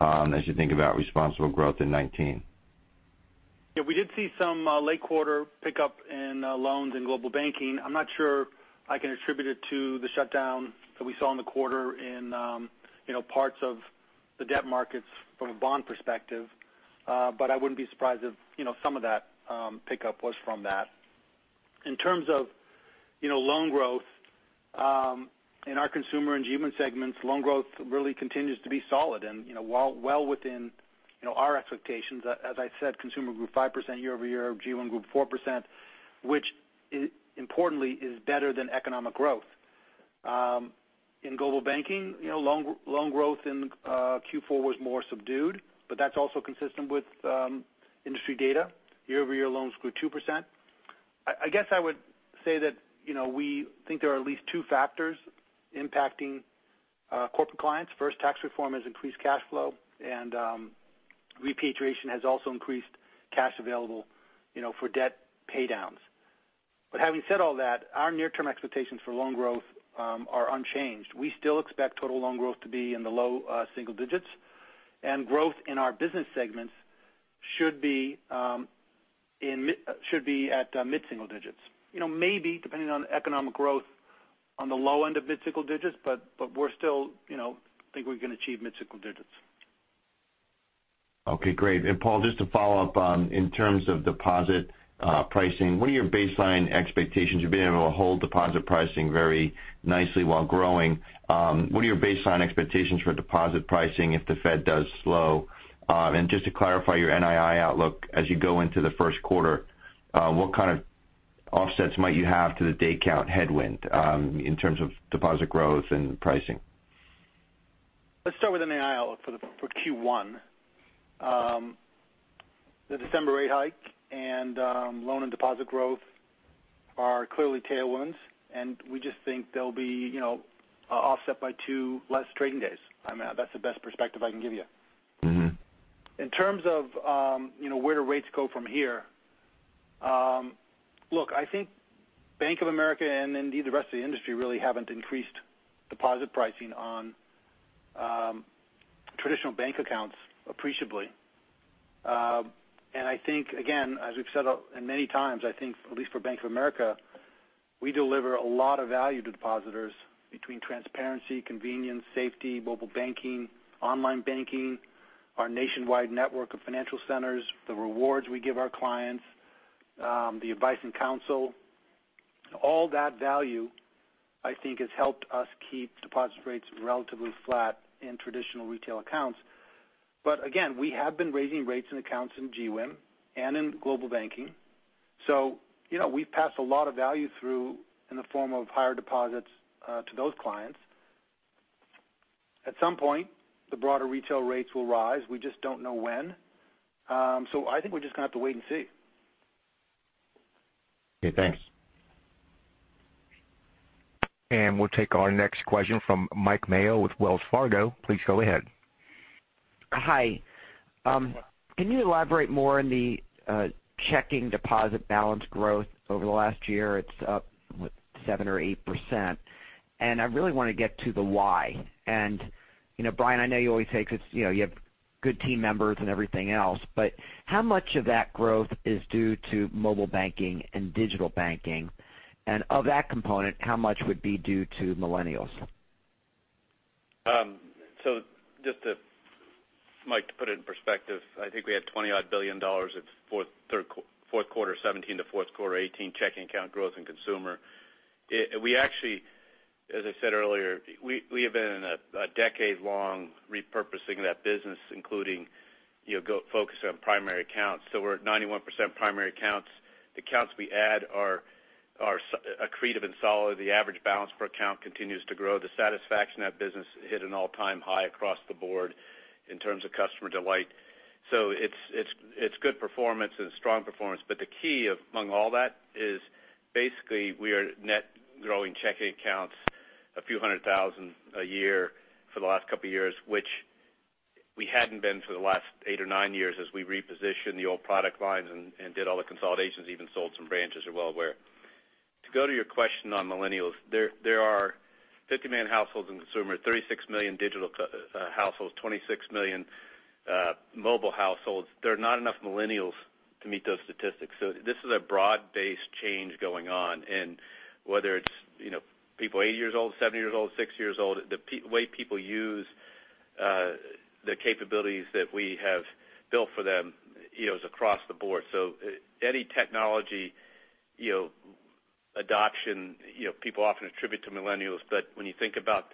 as you think about responsible growth in 2019? Yes, we did see some late quarter pickup in loans in Global Banking. I'm not sure I can attribute it to the shutdown that we saw in the quarter in the debt markets from a bond perspective, but I wouldn't be surprised if some of that pickup was from that. In terms of loan growth in our Consumer Banking and GWIM segments, loan growth really continues to be solid and well within our expectations. As I said, Consumer Banking group, 5% year-over-year, GWIM group 4%, which importantly is better than economic growth. In Global Banking, loan growth in Q4 was more subdued, but that's also consistent with industry data. Year-over-year loans grew 2%. I guess I would say that we think there are at least two factors impacting corporate clients. First, tax reform has increased cash flow, and repatriation has also increased cash available for debt paydowns. Having said all that, our near-term expectations for loan growth are unchanged. We still expect total loan growth to be in the low single digits, and growth in our business segments should be at mid-single digits. Maybe, depending on economic growth, on the low end of mid-single digits, but we still think we can achieve mid-single digits. Okay, great. Paul, just to follow up on, in terms of deposit pricing, what are your baseline expectations? You've been able to hold deposit pricing very nicely while growing. What are your baseline expectations for deposit pricing if the Fed does slow? Just to clarify your NII outlook as you go into Q1, what kind of offsets might you have to the day count headwind in terms of deposit growth and pricing? Let's start with NII outlook for Q1. The December rate hike and loan and deposit growth are clearly tailwinds. We just think they'll be offset by two less trading days. That's the best perspective I can give you. In terms of where do rates go from here? Look, I think Bank of America, and indeed the rest of the industry, really haven't increased deposit pricing on traditional bank accounts appreciably. I think, again, as we've said many times, I think at least for Bank of America, we deliver a lot of value to depositors between transparency, convenience, safety, mobile banking, online banking, our nationwide network of financial centers, the rewards we give our clients, the advice and counsel. All that value, I think, has helped us keep deposit rates relatively flat in traditional retail accounts. Again, we have been raising rates in accounts in GWIM and in Global Banking. We've passed a lot of value through in the form of higher deposits to those clients. At some point, the broader retail rates will rise. We just don't know when. I think we're just going to have to wait and see. Okay, thanks. We'll take our next question from Mike Mayo with Wells Fargo. Please go ahead. Hi. Can you elaborate more on the checking deposit balance growth over the last year? It's up, what, 7% or 8%. I really want to get to the why. Brian, I know you always say because you have good team members and everything else, but how much of that growth is due to mobile banking and digital banking? Of that component, how much would be due to millennials? Just to, Mike, to put it in perspective, I think we had $20-odd billion of Q4 2017 to Q4 2018 checking account growth in Consumer. We actually, as I said earlier, we have been in a decade-long repurposing of that business, including focus on primary accounts. We're at 91% primary accounts. The accounts we add are accretive and solid. The average balance per account continues to grow. The satisfaction of that business hit an all-time high across the board in terms of customer delight. It's good performance and strong performance. The key among all that is basically we are net growing checking accounts a few hundred thousand a year for the last couple of years, which we hadn't been for the last eight or nine years as we repositioned the old product lines and did all the consolidations, even sold some branches you're well aware. To go to your question on millennials, there are 50 million households in Consumer, 36 million digital households, 26 million mobile households. There are not enough millennials to meet those statistics. This is a broad-based change going on. Whether it's people 80 years old, 70 years old, 60 years old, the way people use the capabilities that we have built for them is across the board. Any technology adoption people often attribute to millennials. When you think about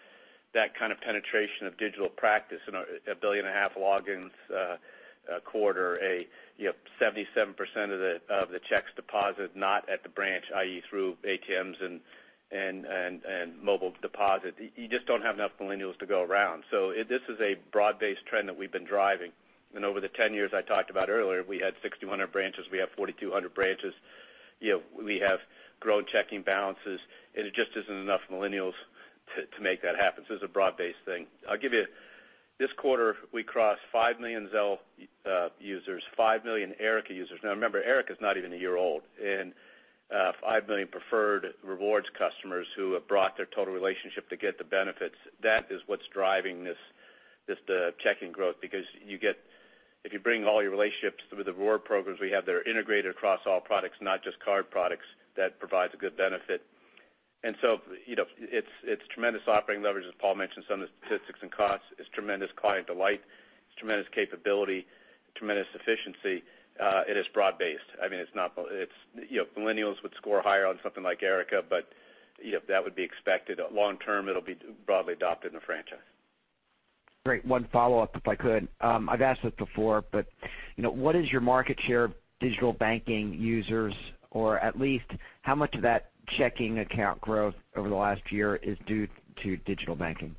that kind of penetration of digital practice in a billion and a half logins a quarter, you have 77% of the checks deposited not at the branch, i.e., through ATMs and mobile deposit. You just don't have enough millennials to go around. This is a broad-based trend that we've been driving. Over the 10 years I talked about earlier, we had 6,100 branches, we have 4,200 branches. We have grown checking balances. There just isn't enough millennials to make that happen. It's a broad-based thing. I'll give you, this quarter, we crossed 5 million Zelle users, 5 million Erica users. Now remember, Erica's not even a year old. 5 million Preferred Rewards customers who have brought their total relationship to get the benefits. That is what's driving this checking growth because if you bring all your relationships through the Preferred Rewards programs we have that are integrated across all products, not just card products, that provides a good benefit. It's tremendous operating leverage, as Paul Donofrio mentioned, some of the statistics and costs. It's tremendous client delight. It's tremendous capability, tremendous efficiency. It is broad-based. I mean, millennials would score higher on something like Erica, but that would be expected. Long term, it'll be broadly adopted in the franchise. Great. One follow-up, if I could. I've asked this before, what is your market share of digital banking users, or at least how much of that checking account growth over the last year is due to digital banking?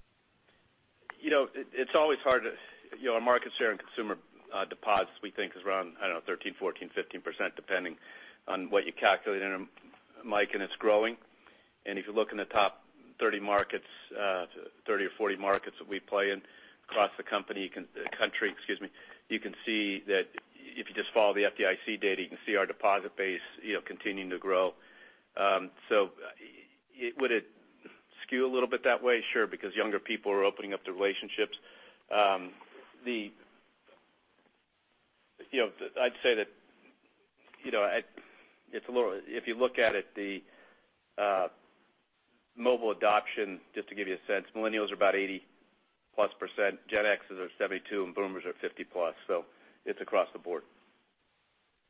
Our market share in consumer deposits, we think is around, I don't know, 13%, 14%, 15%, depending on what you calculate in, Mike, and it's growing. If you look in the top 30 or 40 markets that we play in across the country, you can see that if you just follow the FDIC data, you can see our deposit base continuing to grow. Would it skew a little bit that way? Sure, because younger people are opening up the relationships. I'd say that if you look at it, the mobile adoption, just to give you a sense, millennials are about 80-plus %, Gen Xers are 72, and boomers are 50-plus %. It's across the board.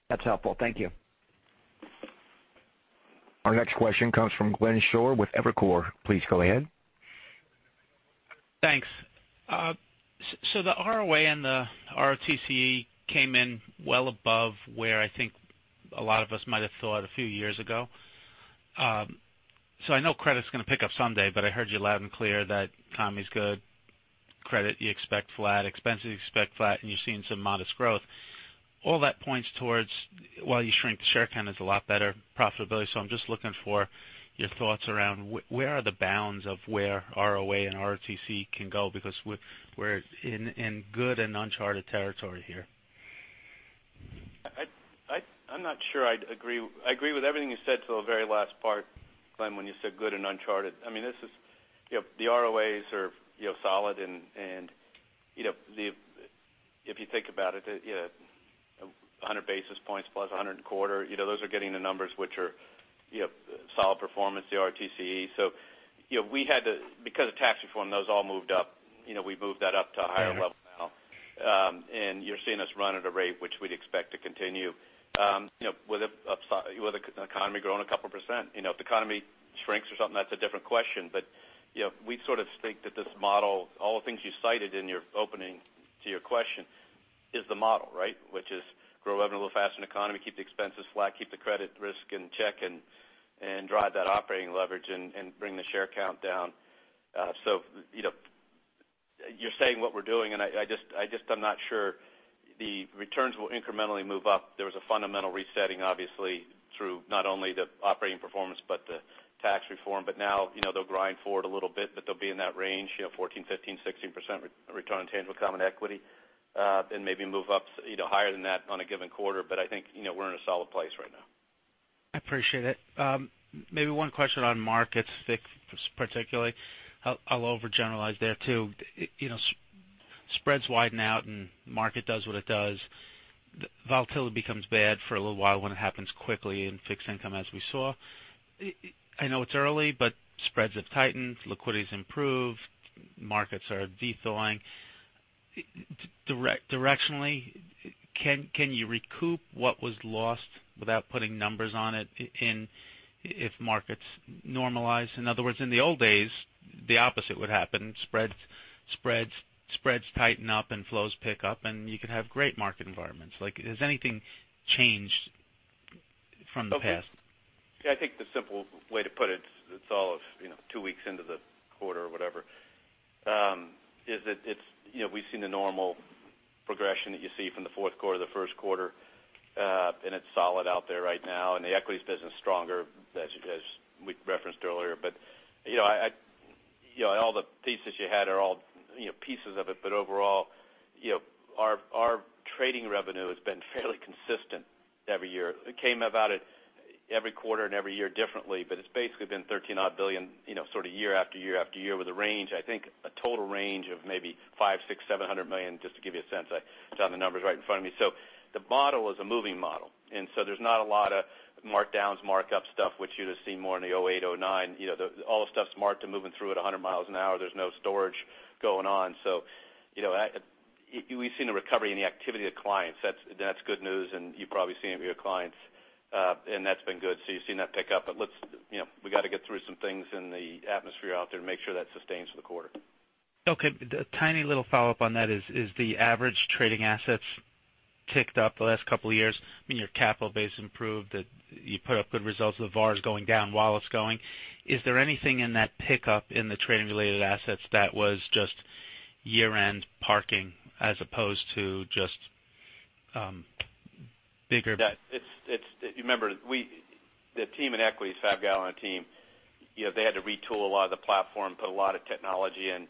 That's helpful. Thank you. Our next question comes from Glenn Schorr with Evercore. Please go ahead. Thanks. The ROA and the ROTCE came in well above where I think a lot of us might have thought a few years ago. I know credit's going to pick up someday, but I heard you loud and clear that the economy's good. Credit, you expect flat. Expenses, you expect flat. You're seeing some modest growth. All that points towards while you shrink the share count is a lot better profitability. I'm just looking for your thoughts around where are the bounds of where ROA and ROTCE can go because we're in good and uncharted territory here. I'm not sure I'd agree. I agree with everything you said till the very last part, Glenn, when you said good and uncharted. I mean, the ROAs are solid, and if you think about it, 100 basis points plus 100 a quarter, those are getting the numbers which are solid performance, the ROTCE. Because of tax reform, those all moved up. We moved that up to a higher level now. You're seeing us run at a rate which we'd expect to continue with the economy growing a couple of percent. If the economy shrinks or something, that's a different question. We sort of think that this model, all the things you cited in your opening to your question is the model, right? Which is grow revenue a little faster than economy, keep the expenses flat, keep the credit risk in check, and drive that operating leverage and bring the share count down. You're saying what we're doing, and I'm not sure the returns will incrementally move up. There was a fundamental resetting, obviously, through not only the operating performance but the tax reform. Now they'll grind forward a little bit, but they'll be in that range, 14%, 15%, 16% return on tangible common equity. Maybe move up higher than that on a given quarter. I think we're in a solid place right now. I appreciate it. Maybe one question on markets, fixed particularly. I'll overgeneralize there, too. Spreads widen out market does what it does. Volatility becomes bad for a little while when it happens quickly in fixed income as we saw. I know it's early, spreads have tightened, liquidity's improved, markets are de-thawing. Directionally, can you recoup what was lost without putting numbers on it if markets normalize? In other words, in the old days, the opposite would happen. Spreads tighten up and flows pick up, you could have great market environments. Has anything changed from the past? Okay. I think the simple way to put it's all of two weeks into the quarter or whatever. We've seen the normal progression that you see from Q4 to Q1, it's solid out there right now. The equities business is stronger, as we referenced earlier. All the pieces you had are all pieces of it. Overall, our trading revenue has been fairly consistent every year. It came about every quarter and every year differently, it's basically been $13-odd billion sort of year after year after year with a range, I think a total range of maybe $500 million, $600 million, $700 million, just to give you a sense. I don't have the numbers right in front of me. The model is a moving model. There's not a lot of markdowns, markups stuff, which you'd have seen more in the 2008, 2009. All the stuff's marked and moving through at 100 miles an hour. There's no storage going on. We've seen a recovery in the activity of clients. That's good news, you've probably seen it with your clients. That's been good. You've seen that pick up. We got to get through some things in the atmosphere out there and make sure that sustains for the quarter. Okay. A tiny little follow-up on that is, has the average trading assets ticked up the last couple of years? I mean, your capital base improved. You put up good results. The VaR is going down while it's going. Is there anything in that pickup in the trading-related assets that was just year-end parking as opposed to just bigger- Remember, the team in equities, Fabrizio Gallo and team, they had to retool a lot of the platform, put a lot of technology in.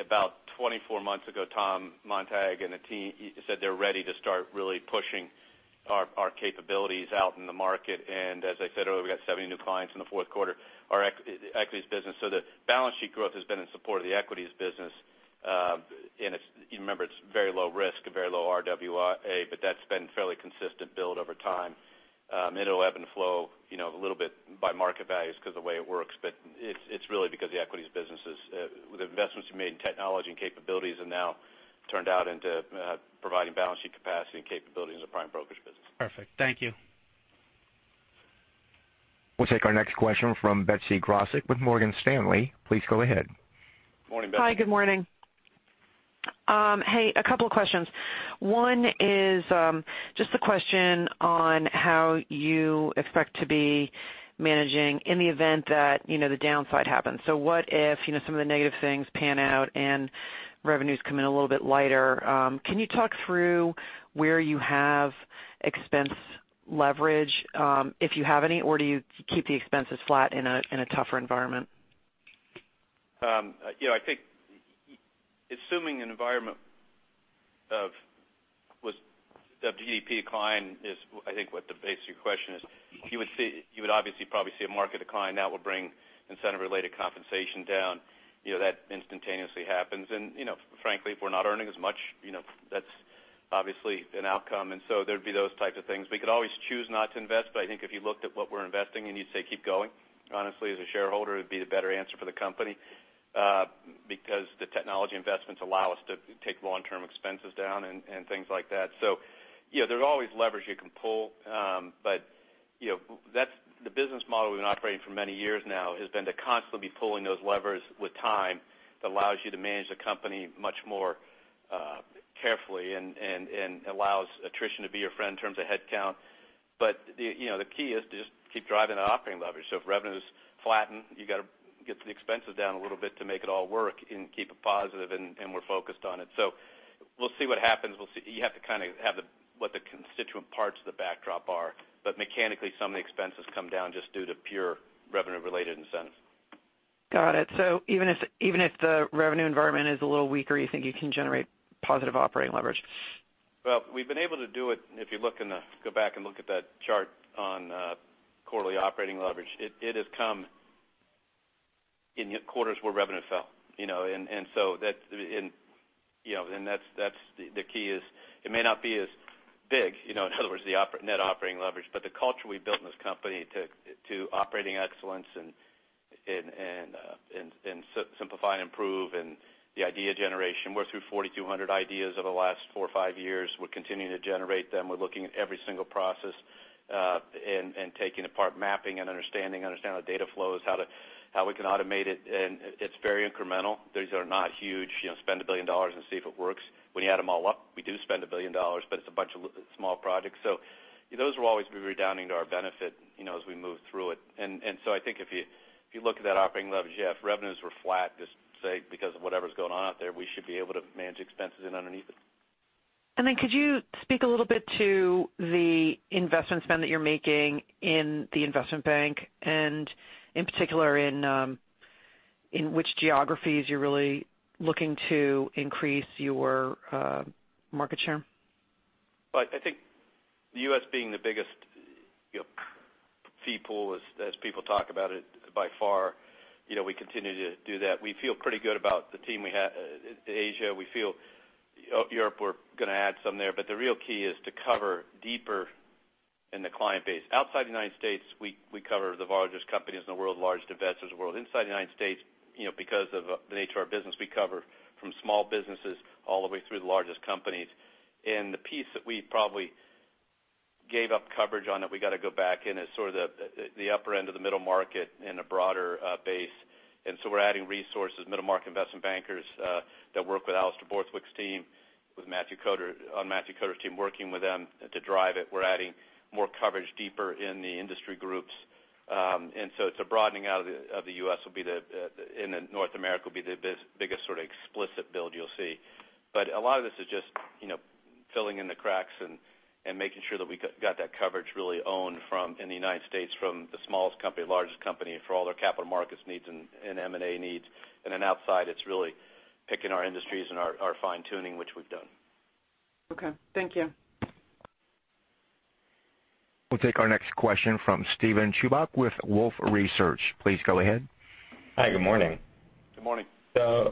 About 24 months ago, Thomas Montag and the team said they're ready to start really pushing our capabilities out in the market. As I said earlier, we got 70 new clients in Q4, our equities business. The balance sheet growth has been in support of the equities business. Remember, it's very low risk, a very low RWA. That's been fairly consistent build over time. It'll ebb and flow a little bit by market values because the way it works. It's really because the equities businesses, with investments we made in technology and capabilities are now turned out into providing balance sheet capacity and capabilities in the prime brokerage business. Perfect. Thank you. We'll take our next question from Betsy Graseck with Morgan Stanley. Please go ahead. Morning, Betsy. Hi, good morning. Hey, a couple of questions. One is just a question on how you expect to be managing in the event that the downside happens. What if some of the negative things pan out and revenues come in a little bit lighter? Can you talk through where you have expense leverage, if you have any, or do you keep the expenses flat in a tougher environment? I think assuming an environment of GDP decline is, I think what the base of your question is. You would obviously probably see a market decline. That will bring incentive-related compensation down. That instantaneously happens. Frankly, if we're not earning as much, that's obviously an outcome, and so there'd be those types of things. We could always choose not to invest, but I think if you looked at what we're investing in, you'd say keep going. Honestly, as a shareholder, it would be the better answer for the company because the technology investments allow us to take long-term expenses down and things like that. There's always leverage you can pull. The business model we've been operating for many years now has been to constantly be pulling those levers with time that allows you to manage the company much more carefully and allows attrition to be your friend in terms of headcount. The key is to just keep driving that operating leverage. If revenues flatten, you got to get the expenses down a little bit to make it all work and keep it positive, and we're focused on it. We'll see what happens. You have to kind of have what the constituent parts of the backdrop are. Mechanically, some of the expenses come down just due to pure revenue-related incentives. Got it. Even if the revenue environment is a little weaker, you think you can generate positive operating leverage? Well, we've been able to do it. If you go back and look at that chart on quarterly operating leverage, it has come in quarters where revenue fell. The key is it may not be as big, in other words, the net operating leverage, but the culture we built in this company to operating excellence and simplify and improve and the idea generation. We're through 4,200 ideas over the last four or five years. We're continuing to generate them. We're looking at every single process, taking apart mapping and understanding how the data flows, how we can automate it, and it's very incremental. These are not huge, spend $1 billion and see if it works. When you add them all up, we do spend $1 billion, but it's a bunch of small projects. Those will always be redounding to our benefit as we move through it. I think if you look at that operating leverage, Yes, if revenues were flat, just say because of whatever's going on out there, we should be able to manage expenses in underneath it. Could you speak a little bit to the investment spend that you're making in the investment bank, and in particular, in which geographies you're really looking to increase your market share? The U.S. being the biggest fee pool as people talk about it, by far we continue to do that. We feel pretty good about the team we have. Asia, we feel. Europe, we're going to add some there. The real key is to cover deeper in the client base. Outside the United States, we cover the largest companies in the world, largest investors in the world. Inside the United States, because of the nature of our business, we cover from small businesses all the way through the largest companies. The piece that we probably gave up coverage on that we got to go back in is sort of the upper end of the middle market in a broader base. We're adding resources, middle market investment bankers that work with Alastair Borthwick's team, on Matthew Koder's team, working with them to drive it. We're adding more coverage deeper in the industry groups. It's a broadening out of the U.S. then North America will be the biggest sort of explicit build you'll see. A lot of this is just filling in the cracks and making sure that we got that coverage really owned in the United States from the smallest company, largest company for all their capital markets needs and M&A needs. Then outside, it's really picking our industries and our fine-tuning, which we've done. Okay. Thank you. We'll take our next question from Steven Chubak with Wolfe Research. Please go ahead. Hi, good morning. Good morning. I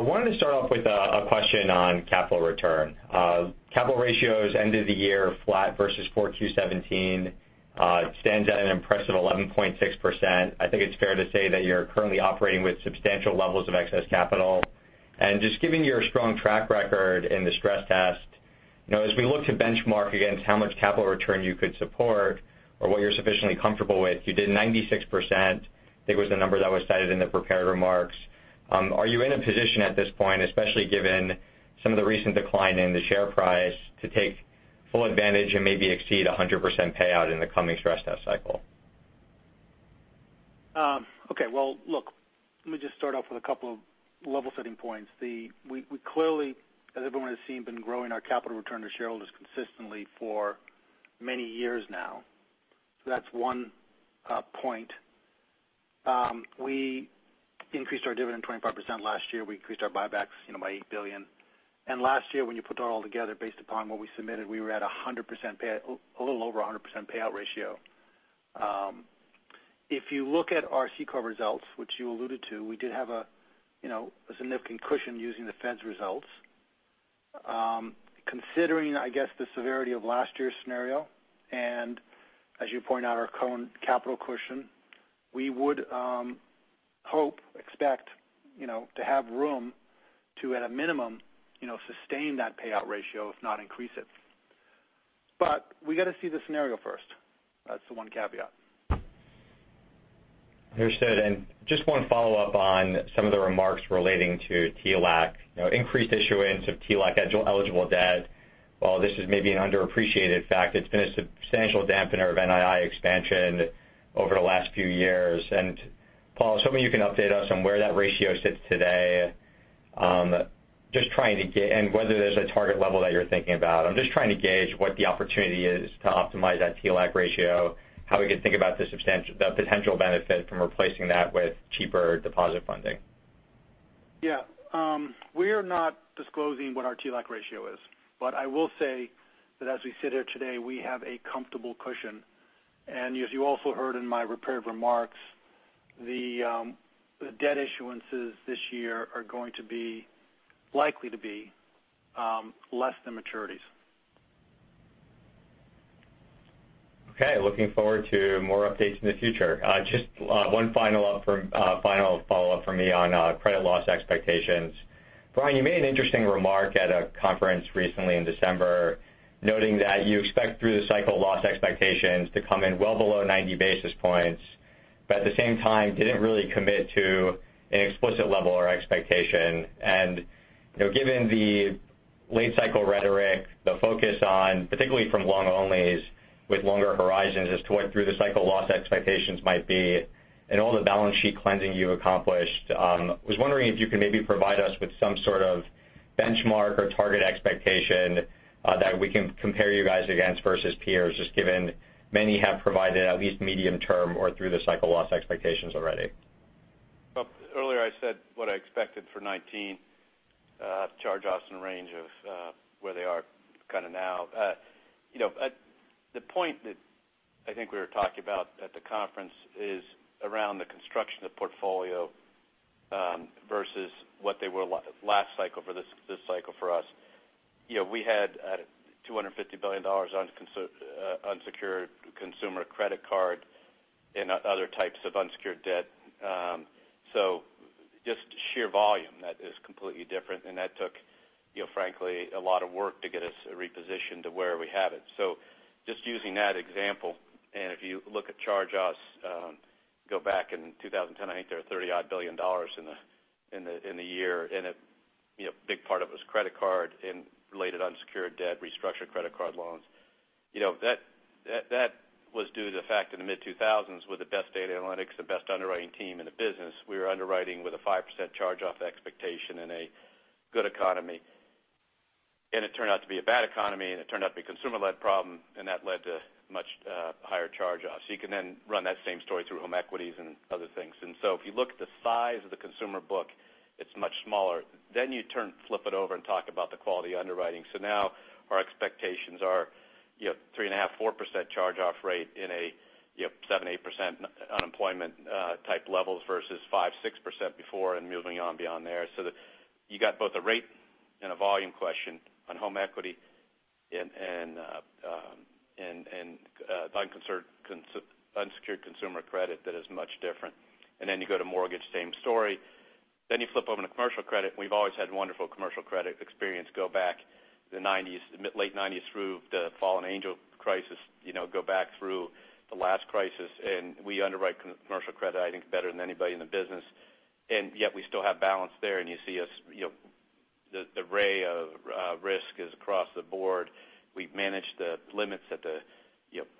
wanted to start off with a question on capital return. Capital ratios end of the year flat versus Q4 2017 stands at an impressive 11.6%. I think it's fair to say that you're currently operating with substantial levels of excess capital. Just given your strong track record in the stress test, as we look to benchmark against how much capital return you could support or what you're sufficiently comfortable with, you did 96%, I think was the number that was cited in the prepared remarks. Are you in a position at this point, especially given some of the recent decline in the share price, to take full advantage and maybe exceed 100% payout in the coming stress test cycle? Okay. Well, look, let me just start off with a couple of level setting points. We clearly, as everyone has seen, been growing our capital return to shareholders consistently for many years now. That's one point. We increased our dividend 25% last year. We increased our buybacks by $8 billion. Last year, when you put that all together, based upon what we submitted, we were at a little over 100% payout ratio. If you look at our CECL results, which you alluded to, we did have a significant cushion using the fence results. Considering, I guess, the severity of last year's scenario, and as you point out, our capital cushion, we would hope, expect to have room to, at a minimum, sustain that payout ratio, if not increase it. We got to see the scenario first. That's the one caveat. Understood. Just one follow-up on some of the remarks relating to TLAC. Increased issuance of TLAC-eligible debt. While this is maybe an underappreciated fact, it's been a substantial dampener of NII expansion over the last few years. Paul, was hoping you can update us on where that ratio sits today, and whether there's a target level that you're thinking about. I'm just trying to gauge what the opportunity is to optimize that TLAC ratio, how we could think about the potential benefit from replacing that with cheaper deposit funding. Yes. We are not disclosing what our TLAC ratio is. I will say that as we sit here today, we have a comfortable cushion. As you also heard in my prepared remarks, the debt issuances this year are going to be likely to be less than maturities. Okay. Looking forward to more updates in the future. Just one final follow-up from me on credit loss expectations. Brian, you made an interesting remark at a conference recently in December, noting that you expect through the cycle loss expectations to come in well below 90 basis points, at the same time did not really commit to an explicit level or expectation. Given the late cycle rhetoric, the focus on, particularly from long onlys with longer horizons as to what through the cycle loss expectations might be and all the balance sheet cleansing you accomplished, I was wondering if you could maybe provide us with some sort of benchmark or target expectation that we can compare you guys against versus peers, just given many have provided at least medium term or through the cycle loss expectations already. Earlier I said what I expected for 2019 charge-offs in the range of where they are now. The point that I think we were talking about at the conference is around the construction of the portfolio versus what they were last cycle for this cycle for us. We had $250 billion on unsecured consumer credit card and other types of unsecured debt. Just sheer volume, that is completely different, and that took frankly a lot of work to get us repositioned to where we have it. Just using that example, and if you look at charge-offs, go back in 2010, I think there were $30-odd billion in the year, and a big part of it was credit card and related unsecured debt, restructured credit card loans. That was due to the fact in the mid-2000s with the best data analytics, the best underwriting team in the business, we were underwriting with a 5% charge-off expectation in a good economy. It turned out to be a bad economy, it turned out to be a consumer-led problem, and that led to much higher charge-offs. You can then run that same story through home equities and other things. If you look at the size of the consumer book, it's much smaller. You flip it over and talk about the quality underwriting. Now our expectations are 3.5%-4% charge-off rate in a 7%-8% unemployment type levels versus 5%-6% before and moving on beyond there. That you got both a rate and a volume question on home equity and unsecured consumer credit that is much different. You go to mortgage, same story. You flip over to commercial credit, we've always had wonderful commercial credit experience. Go back to the mid, late 1990s through the fallen angel crisis, go back through the last crisis, we underwrite commercial credit, I think, better than anybody in the business. Yet we still have balance there, you see the array of risk is across the board. We've managed the limits at the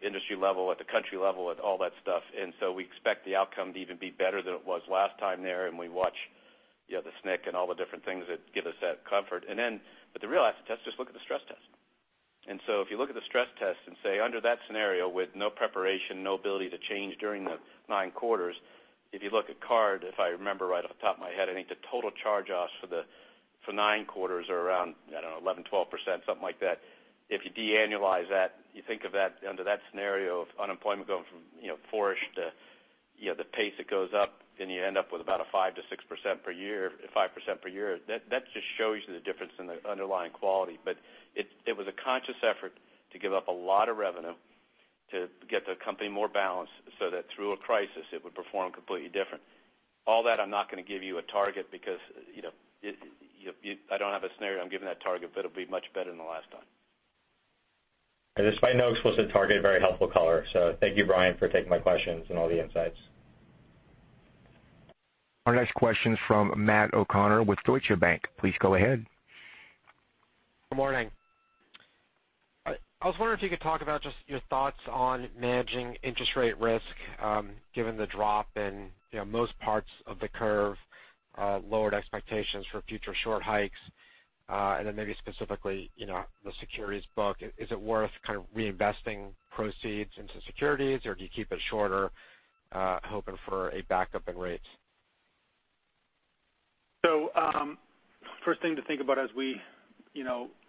industry level, at the country level, at all that stuff. We expect the outcome to even be better than it was last time there. We watch the SNC and all the different things that give us that comfort. The real acid test, just look at the stress test. If you look at the stress test and say under that scenario with no preparation, no ability to change during the nine quarters, if you look at card, if I remember right off the top of my head, I think the total charge-offs for nine quarters are around, I don't know, 11%-12%, something like that. If you de-annualize that, you think of under that scenario of unemployment going from four-ish to the pace it goes up, you end up with about a 5% per year. That just shows you the difference in the underlying quality. It was a conscious effort to give up a lot of revenue to get the company more balanced so that through a crisis, it would perform completely different. All that, I'm not going to give you a target because I don't have a scenario I'm giving that target, but it'll be much better than the last time. Despite no explicit target, very helpful color. Thank you, Brian, for taking my questions and all the insights. Our next question is from Matt O'Connor with Deutsche Bank. Please go ahead. Good morning. I was wondering if you could talk about just your thoughts on managing interest rate risk given the drop in most parts of the curve, lowered expectations for future short hikes, maybe specifically, the securities book. Is it worth kind of reinvesting proceeds into securities, or do you keep it shorter hoping for a back up in rates? First thing to think about as we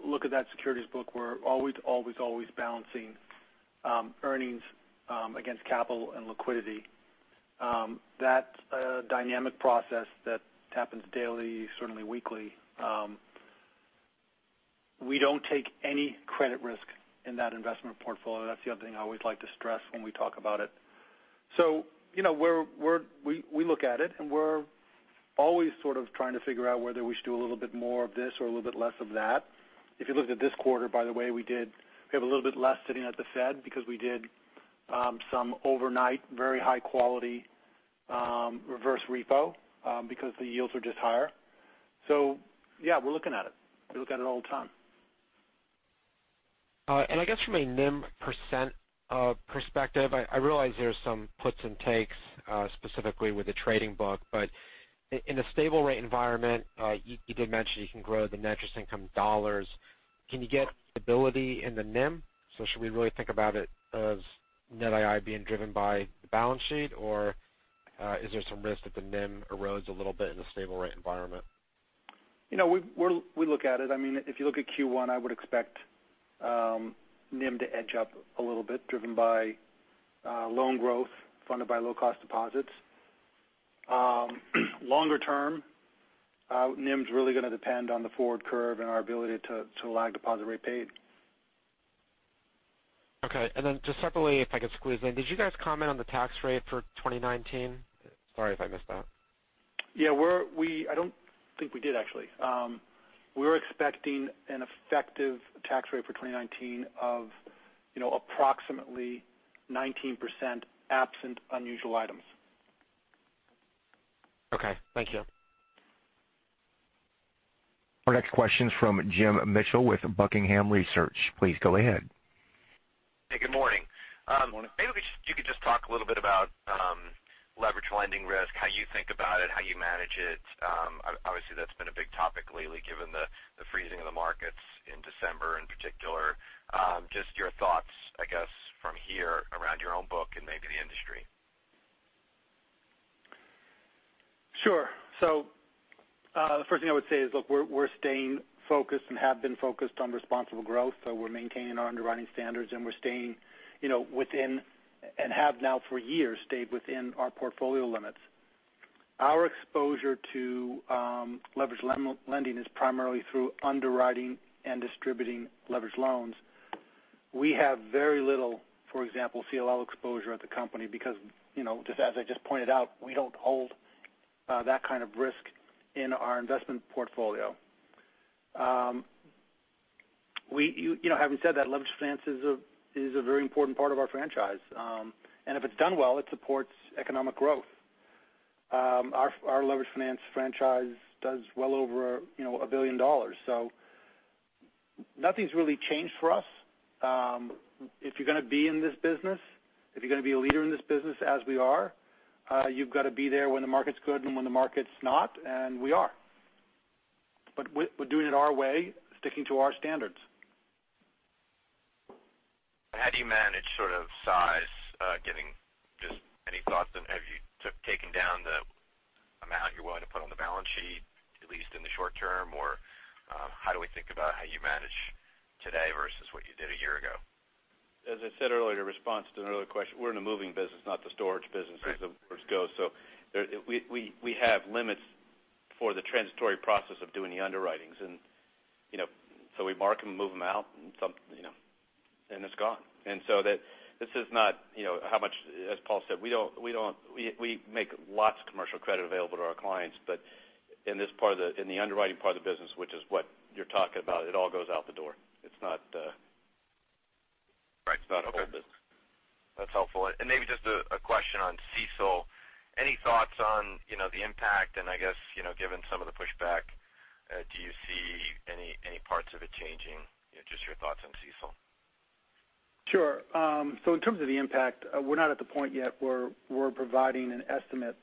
look at that securities book, we're always balancing earnings against capital and liquidity. That dynamic process that happens daily, certainly weekly. We don't take any credit risk in that investment portfolio. That's the other thing I always like to stress when we talk about it. We look at it, and we're always sort of trying to figure out whether we should do a little bit more of this or a little bit less of that. If you looked at this quarter, by the way, we have a little bit less sitting at the Fed because we did some overnight very high-quality reverse repo because the yields were just higher. Yes, we're looking at it. We look at it all the time. I guess from a NIM percent perspective, I realize there's some puts and takes specifically with the trading book. In a stable rate environment, you did mention you can grow the net interest income dollars. Can you get stability in the NIM? Should we really think about it as NII being driven by the balance sheet? Is there some risk that the NIM erodes a little bit in a stable rate environment? We look at it. If you look at Q1, I would expect NIM to edge up a little bit, driven by loan growth, funded by low-cost deposits. Longer term, NIM's really going to depend on the forward curve and our ability to lag deposit rate paid. Okay. Just separately, if I could squeeze in, did you guys comment on the tax rate for 2019? Sorry if I missed that. Yes. I don't think we did, actually. We're expecting an effective tax rate for 2019 of approximately 19% absent unusual items. Okay. Thank you. Our next question's from Jim Mitchell with Buckingham Research. Please go ahead. Hey, good morning. Good morning. If you could just talk a little bit about leverage lending risk, how you think about it, how you manage it. That's been a big topic lately given the freezing of the markets in December in particular. Your thoughts, I guess, from here around your own book and maybe the industry. Sure. The first thing I would say is, look, we're staying focused and have been focused on Responsible Growth. We're maintaining our underwriting standards, and we're staying within, and have now for years stayed within our portfolio limits. Our exposure to leverage lending is primarily through underwriting and distributing leverage loans. We have very little, for example, CLO exposure at the company because as I just pointed out, we don't hold that kind of risk in our investment portfolio. Having said that, leverage finance is a very important part of our franchise. If it's done well, it supports economic growth. Our leverage finance franchise does well over $1 billion. Nothing's really changed for us. If you're going to be in this business, if you're going to be a leader in this business as we are, you've got to be there when the market's good and when the market's not, and we are. We're doing it our way, sticking to our standards. How do you manage sort of size giving? Just any thoughts on have you taken down the amount you're willing to put on the balance sheet, at least in the short term? Or how do we think about how you manage today versus what you did a year ago? As I said earlier in response to another question, we're in a moving business, not the storage business as the goods go. We have limits for the transitory process of doing the underwritings. We mark them and move them out, and it's gone. This is not how much-- as Paul said, we make lots of commercial credit available to our clients. In the underwriting part of the business, which is what you're talking about, it all goes out the door. Right. Okay. It's not a whole business. That's helpful. Maybe just a question on CECL. Any thoughts on the impact? I guess given some of the pushback, do you see any parts of it changing? Just your thoughts on CECL. Sure. In terms of the impact, we're not at the point yet where we're providing an estimate.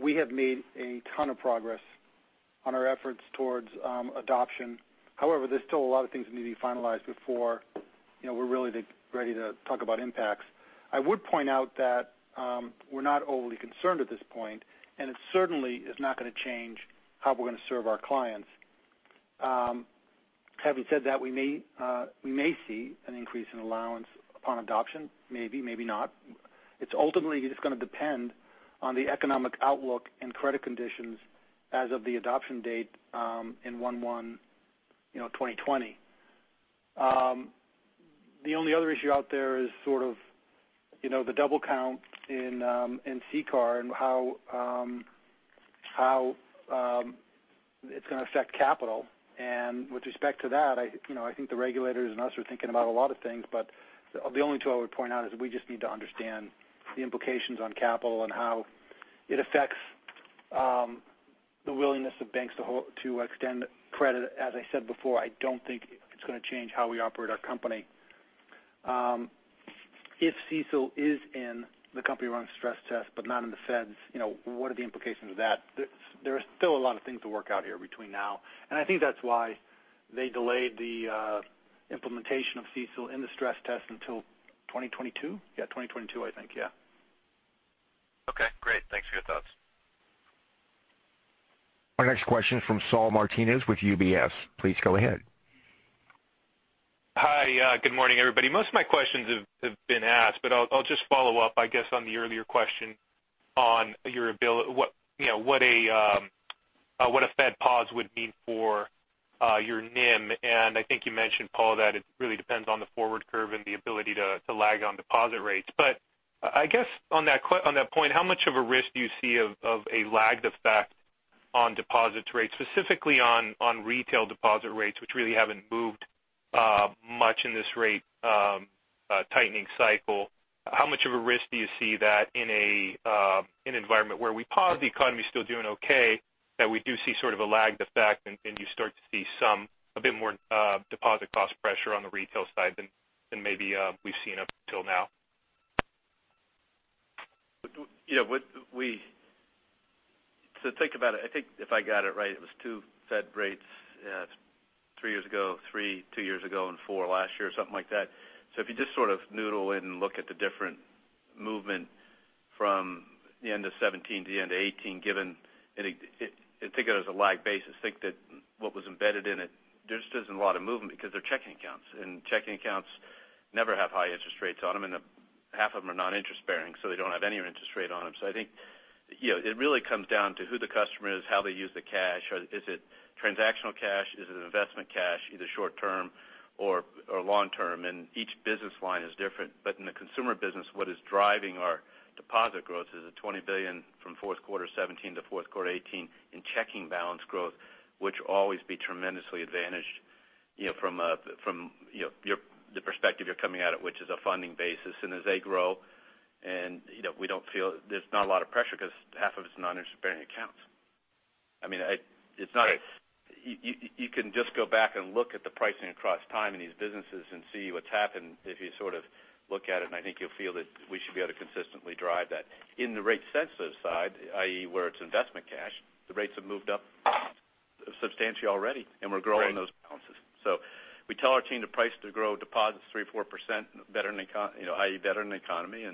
We have made a ton of progress on our efforts towards adoption. However, there's still a lot of things that need to be finalized before we're really ready to talk about impacts. I would point out that we're not overly concerned at this point, and it certainly is not going to change how we're going to serve our clients. Having said that, we may see an increase in allowance upon adoption. Maybe, maybe not. It's ultimately just going to depend on the economic outlook and credit conditions as of the adoption date in 01/01/2020. The only other issue out there is sort of the double count in CCAR and how it's going to affect capital. With respect to that, I think the regulators and us are thinking about a lot of things. The only two I would point out is we just need to understand the implications on capital and how it affects the willingness of banks to extend credit. As I said before, I don't think it's going to change how we operate our company. If CECL is in the company-run stress test but not in the Fed's, what are the implications of that? There are still a lot of things to work out here between now. I think that's why they delayed the implementation of CECL in the stress test until 2022? Yes, 2022, I think. Okay, great. Thanks for your thoughts. Our next question from Saul Martinez with UBS. Please go ahead. Hi. Good morning, everybody. Most of my questions have been asked. I'll just follow up, I guess, on the earlier question on what a Fed pause would mean for your NIM. I think you mentioned, Paul, that it really depends on the forward curve and the ability to lag on deposit rates. I guess on that point, how much of a risk do you see of a lagged effect on deposit rates, specifically on retail deposit rates, which really haven't moved much in this rate tightening cycle? How much of a risk do you see that in an environment where we pause the economy still doing okay, that we do see sort of a lagged effect and you start to see a bit more deposit cost pressure on the retail side than maybe we've seen up until now? Think about it. I think if I got it right, it was two Fed rates three years ago, three, two years ago, and four last year, something like that. If you just sort of noodle in and look at the different movement from the end of 2017 to the end of 2018, think of it as a lag basis, think that what was embedded in it, there just isn't a lot of movement because they're checking accounts, and checking accounts never have high interest rates on them, and half of them are non-interest-bearing, so they don't have any interest rate on them. I think it really comes down to who the customer is, how they use the cash. Is it transactional cash? Is it investment cash, either short-term or long-term? Each business line is different. In the consumer business, what is driving our deposit growth is the $20 billion from Q4 2017 to Q4 2018 in checking balance growth, which will always be tremendously advantaged from the perspective you're coming at it, which is a funding basis. As they grow, there's not a lot of pressure because half of it's non-interest-bearing accounts. Right. You can just go back and look at the pricing across time in these businesses and see what's happened. If you sort of look at it, I think you'll feel that we should be able to consistently drive that. In the rate sensitive side, i.e., where it's investment cash, the rates have moved up substantially already, we're growing those balances. We tell our team to price to grow deposits 3% or 4% better than economy, i.e., better than the economy,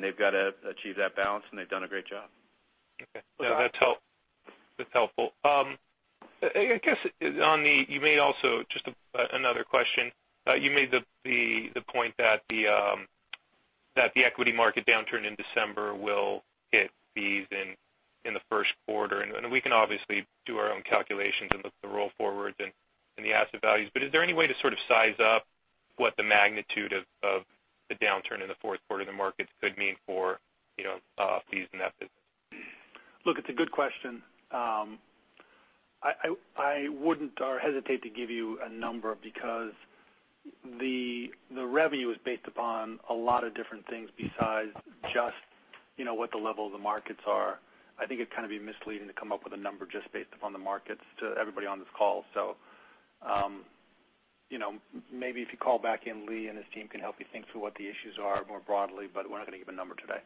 they've got to achieve that balance, they've done a great job. Okay. That's helpful. Just another question. You made the point that the equity market downturn in December will hit fees in Q1, and we can obviously do our own calculations and look at the roll forwards and the asset values. Is there any way to sort of size up what the magnitude of the downturn in Q4 of the markets could mean for fees in that business? Look, it's a good question. I wouldn't hesitate to give you a number because the revenue is based upon a lot of different things besides just what the level of the markets are. I think it'd kind of be misleading to come up with a number just based upon the markets to everybody on this call. Maybe if you call back in, Lee and his team can help you think through what the issues are more broadly, but we're not going to give a number today.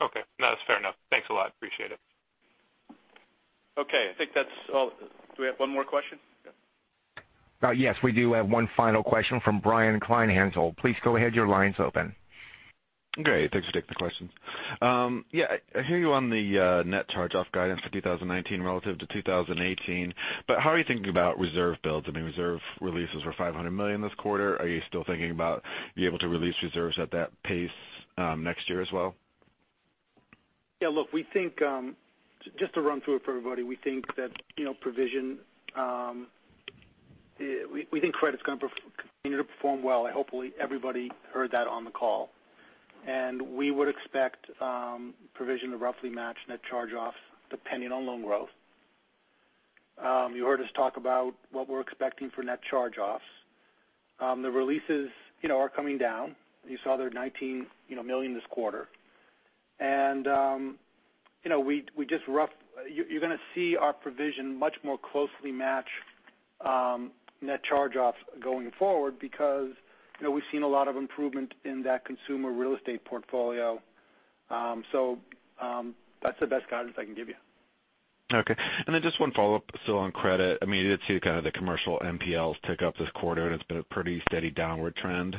Okay. No, that's fair enough. Thanks a lot. Appreciate it. Okay. I think that's all. Do we have one more question? Yes. We do have one final question from Brian Kleinhanzl. Please go ahead, your line's open. Great. Thanks for taking the question. Yes. I hear you on the net charge-off guidance for 2019 relative to 2018, how are you thinking about reserve builds? I mean, reserve releases were $500 million this quarter. Are you still thinking about being able to release reserves at that pace next year as well? Yes, look, just to run through it for everybody, we think credit's going to continue to perform well. Hopefully everybody heard that on the call. We would expect provision to roughly match net charge-offs depending on loan growth. You heard us talk about what we're expecting for net charge-offs. The releases are coming down. You saw they're $19 million this quarter. You're going to see our provision much more closely match net charge-offs going forward because we've seen a lot of improvement in that consumer real estate portfolio. That's the best guidance I can give you. Okay. Just one follow-up still on credit. I mean, you did see kind of the commercial NPLs tick up this quarter, and it's been a pretty steady downward trend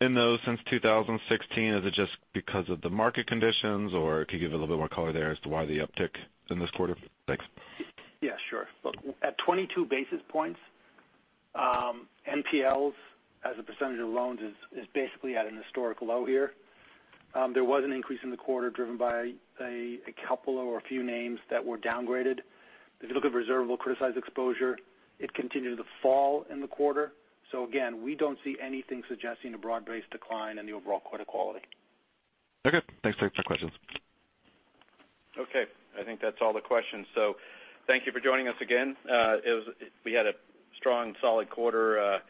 in those since 2016. Is it just because of the market conditions, or could you give a little bit more color there as to why the uptick in this quarter? Thanks. Yes, sure. Look, at 22 basis points, NPLs as a percentage of loans is basically at an historic low here. There was an increase in the quarter driven by a couple or a few names that were downgraded. If you look at reservable criticized exposure, it continued to fall in the quarter. Again, we don't see anything suggesting a broad-based decline in the overall credit quality. Okay. Thanks for the questions. Okay. I think that's all the questions. Thank you for joining us again. We had a strong solid quarter.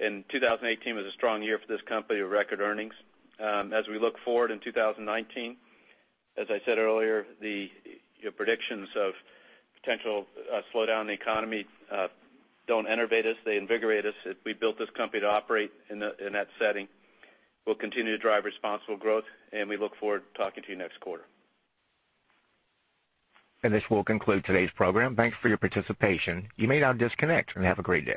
2018 was a strong year for this company with record earnings. As we look forward in 2019, as I said earlier, the predictions of potential slowdown in the economy don't enervate us. They invigorate us. We built this company to operate in that setting. We'll continue to drive responsible growth. We look forward to talking to you next quarter. This will conclude today's program. Thanks for your participation. You may now disconnect. Have a great day.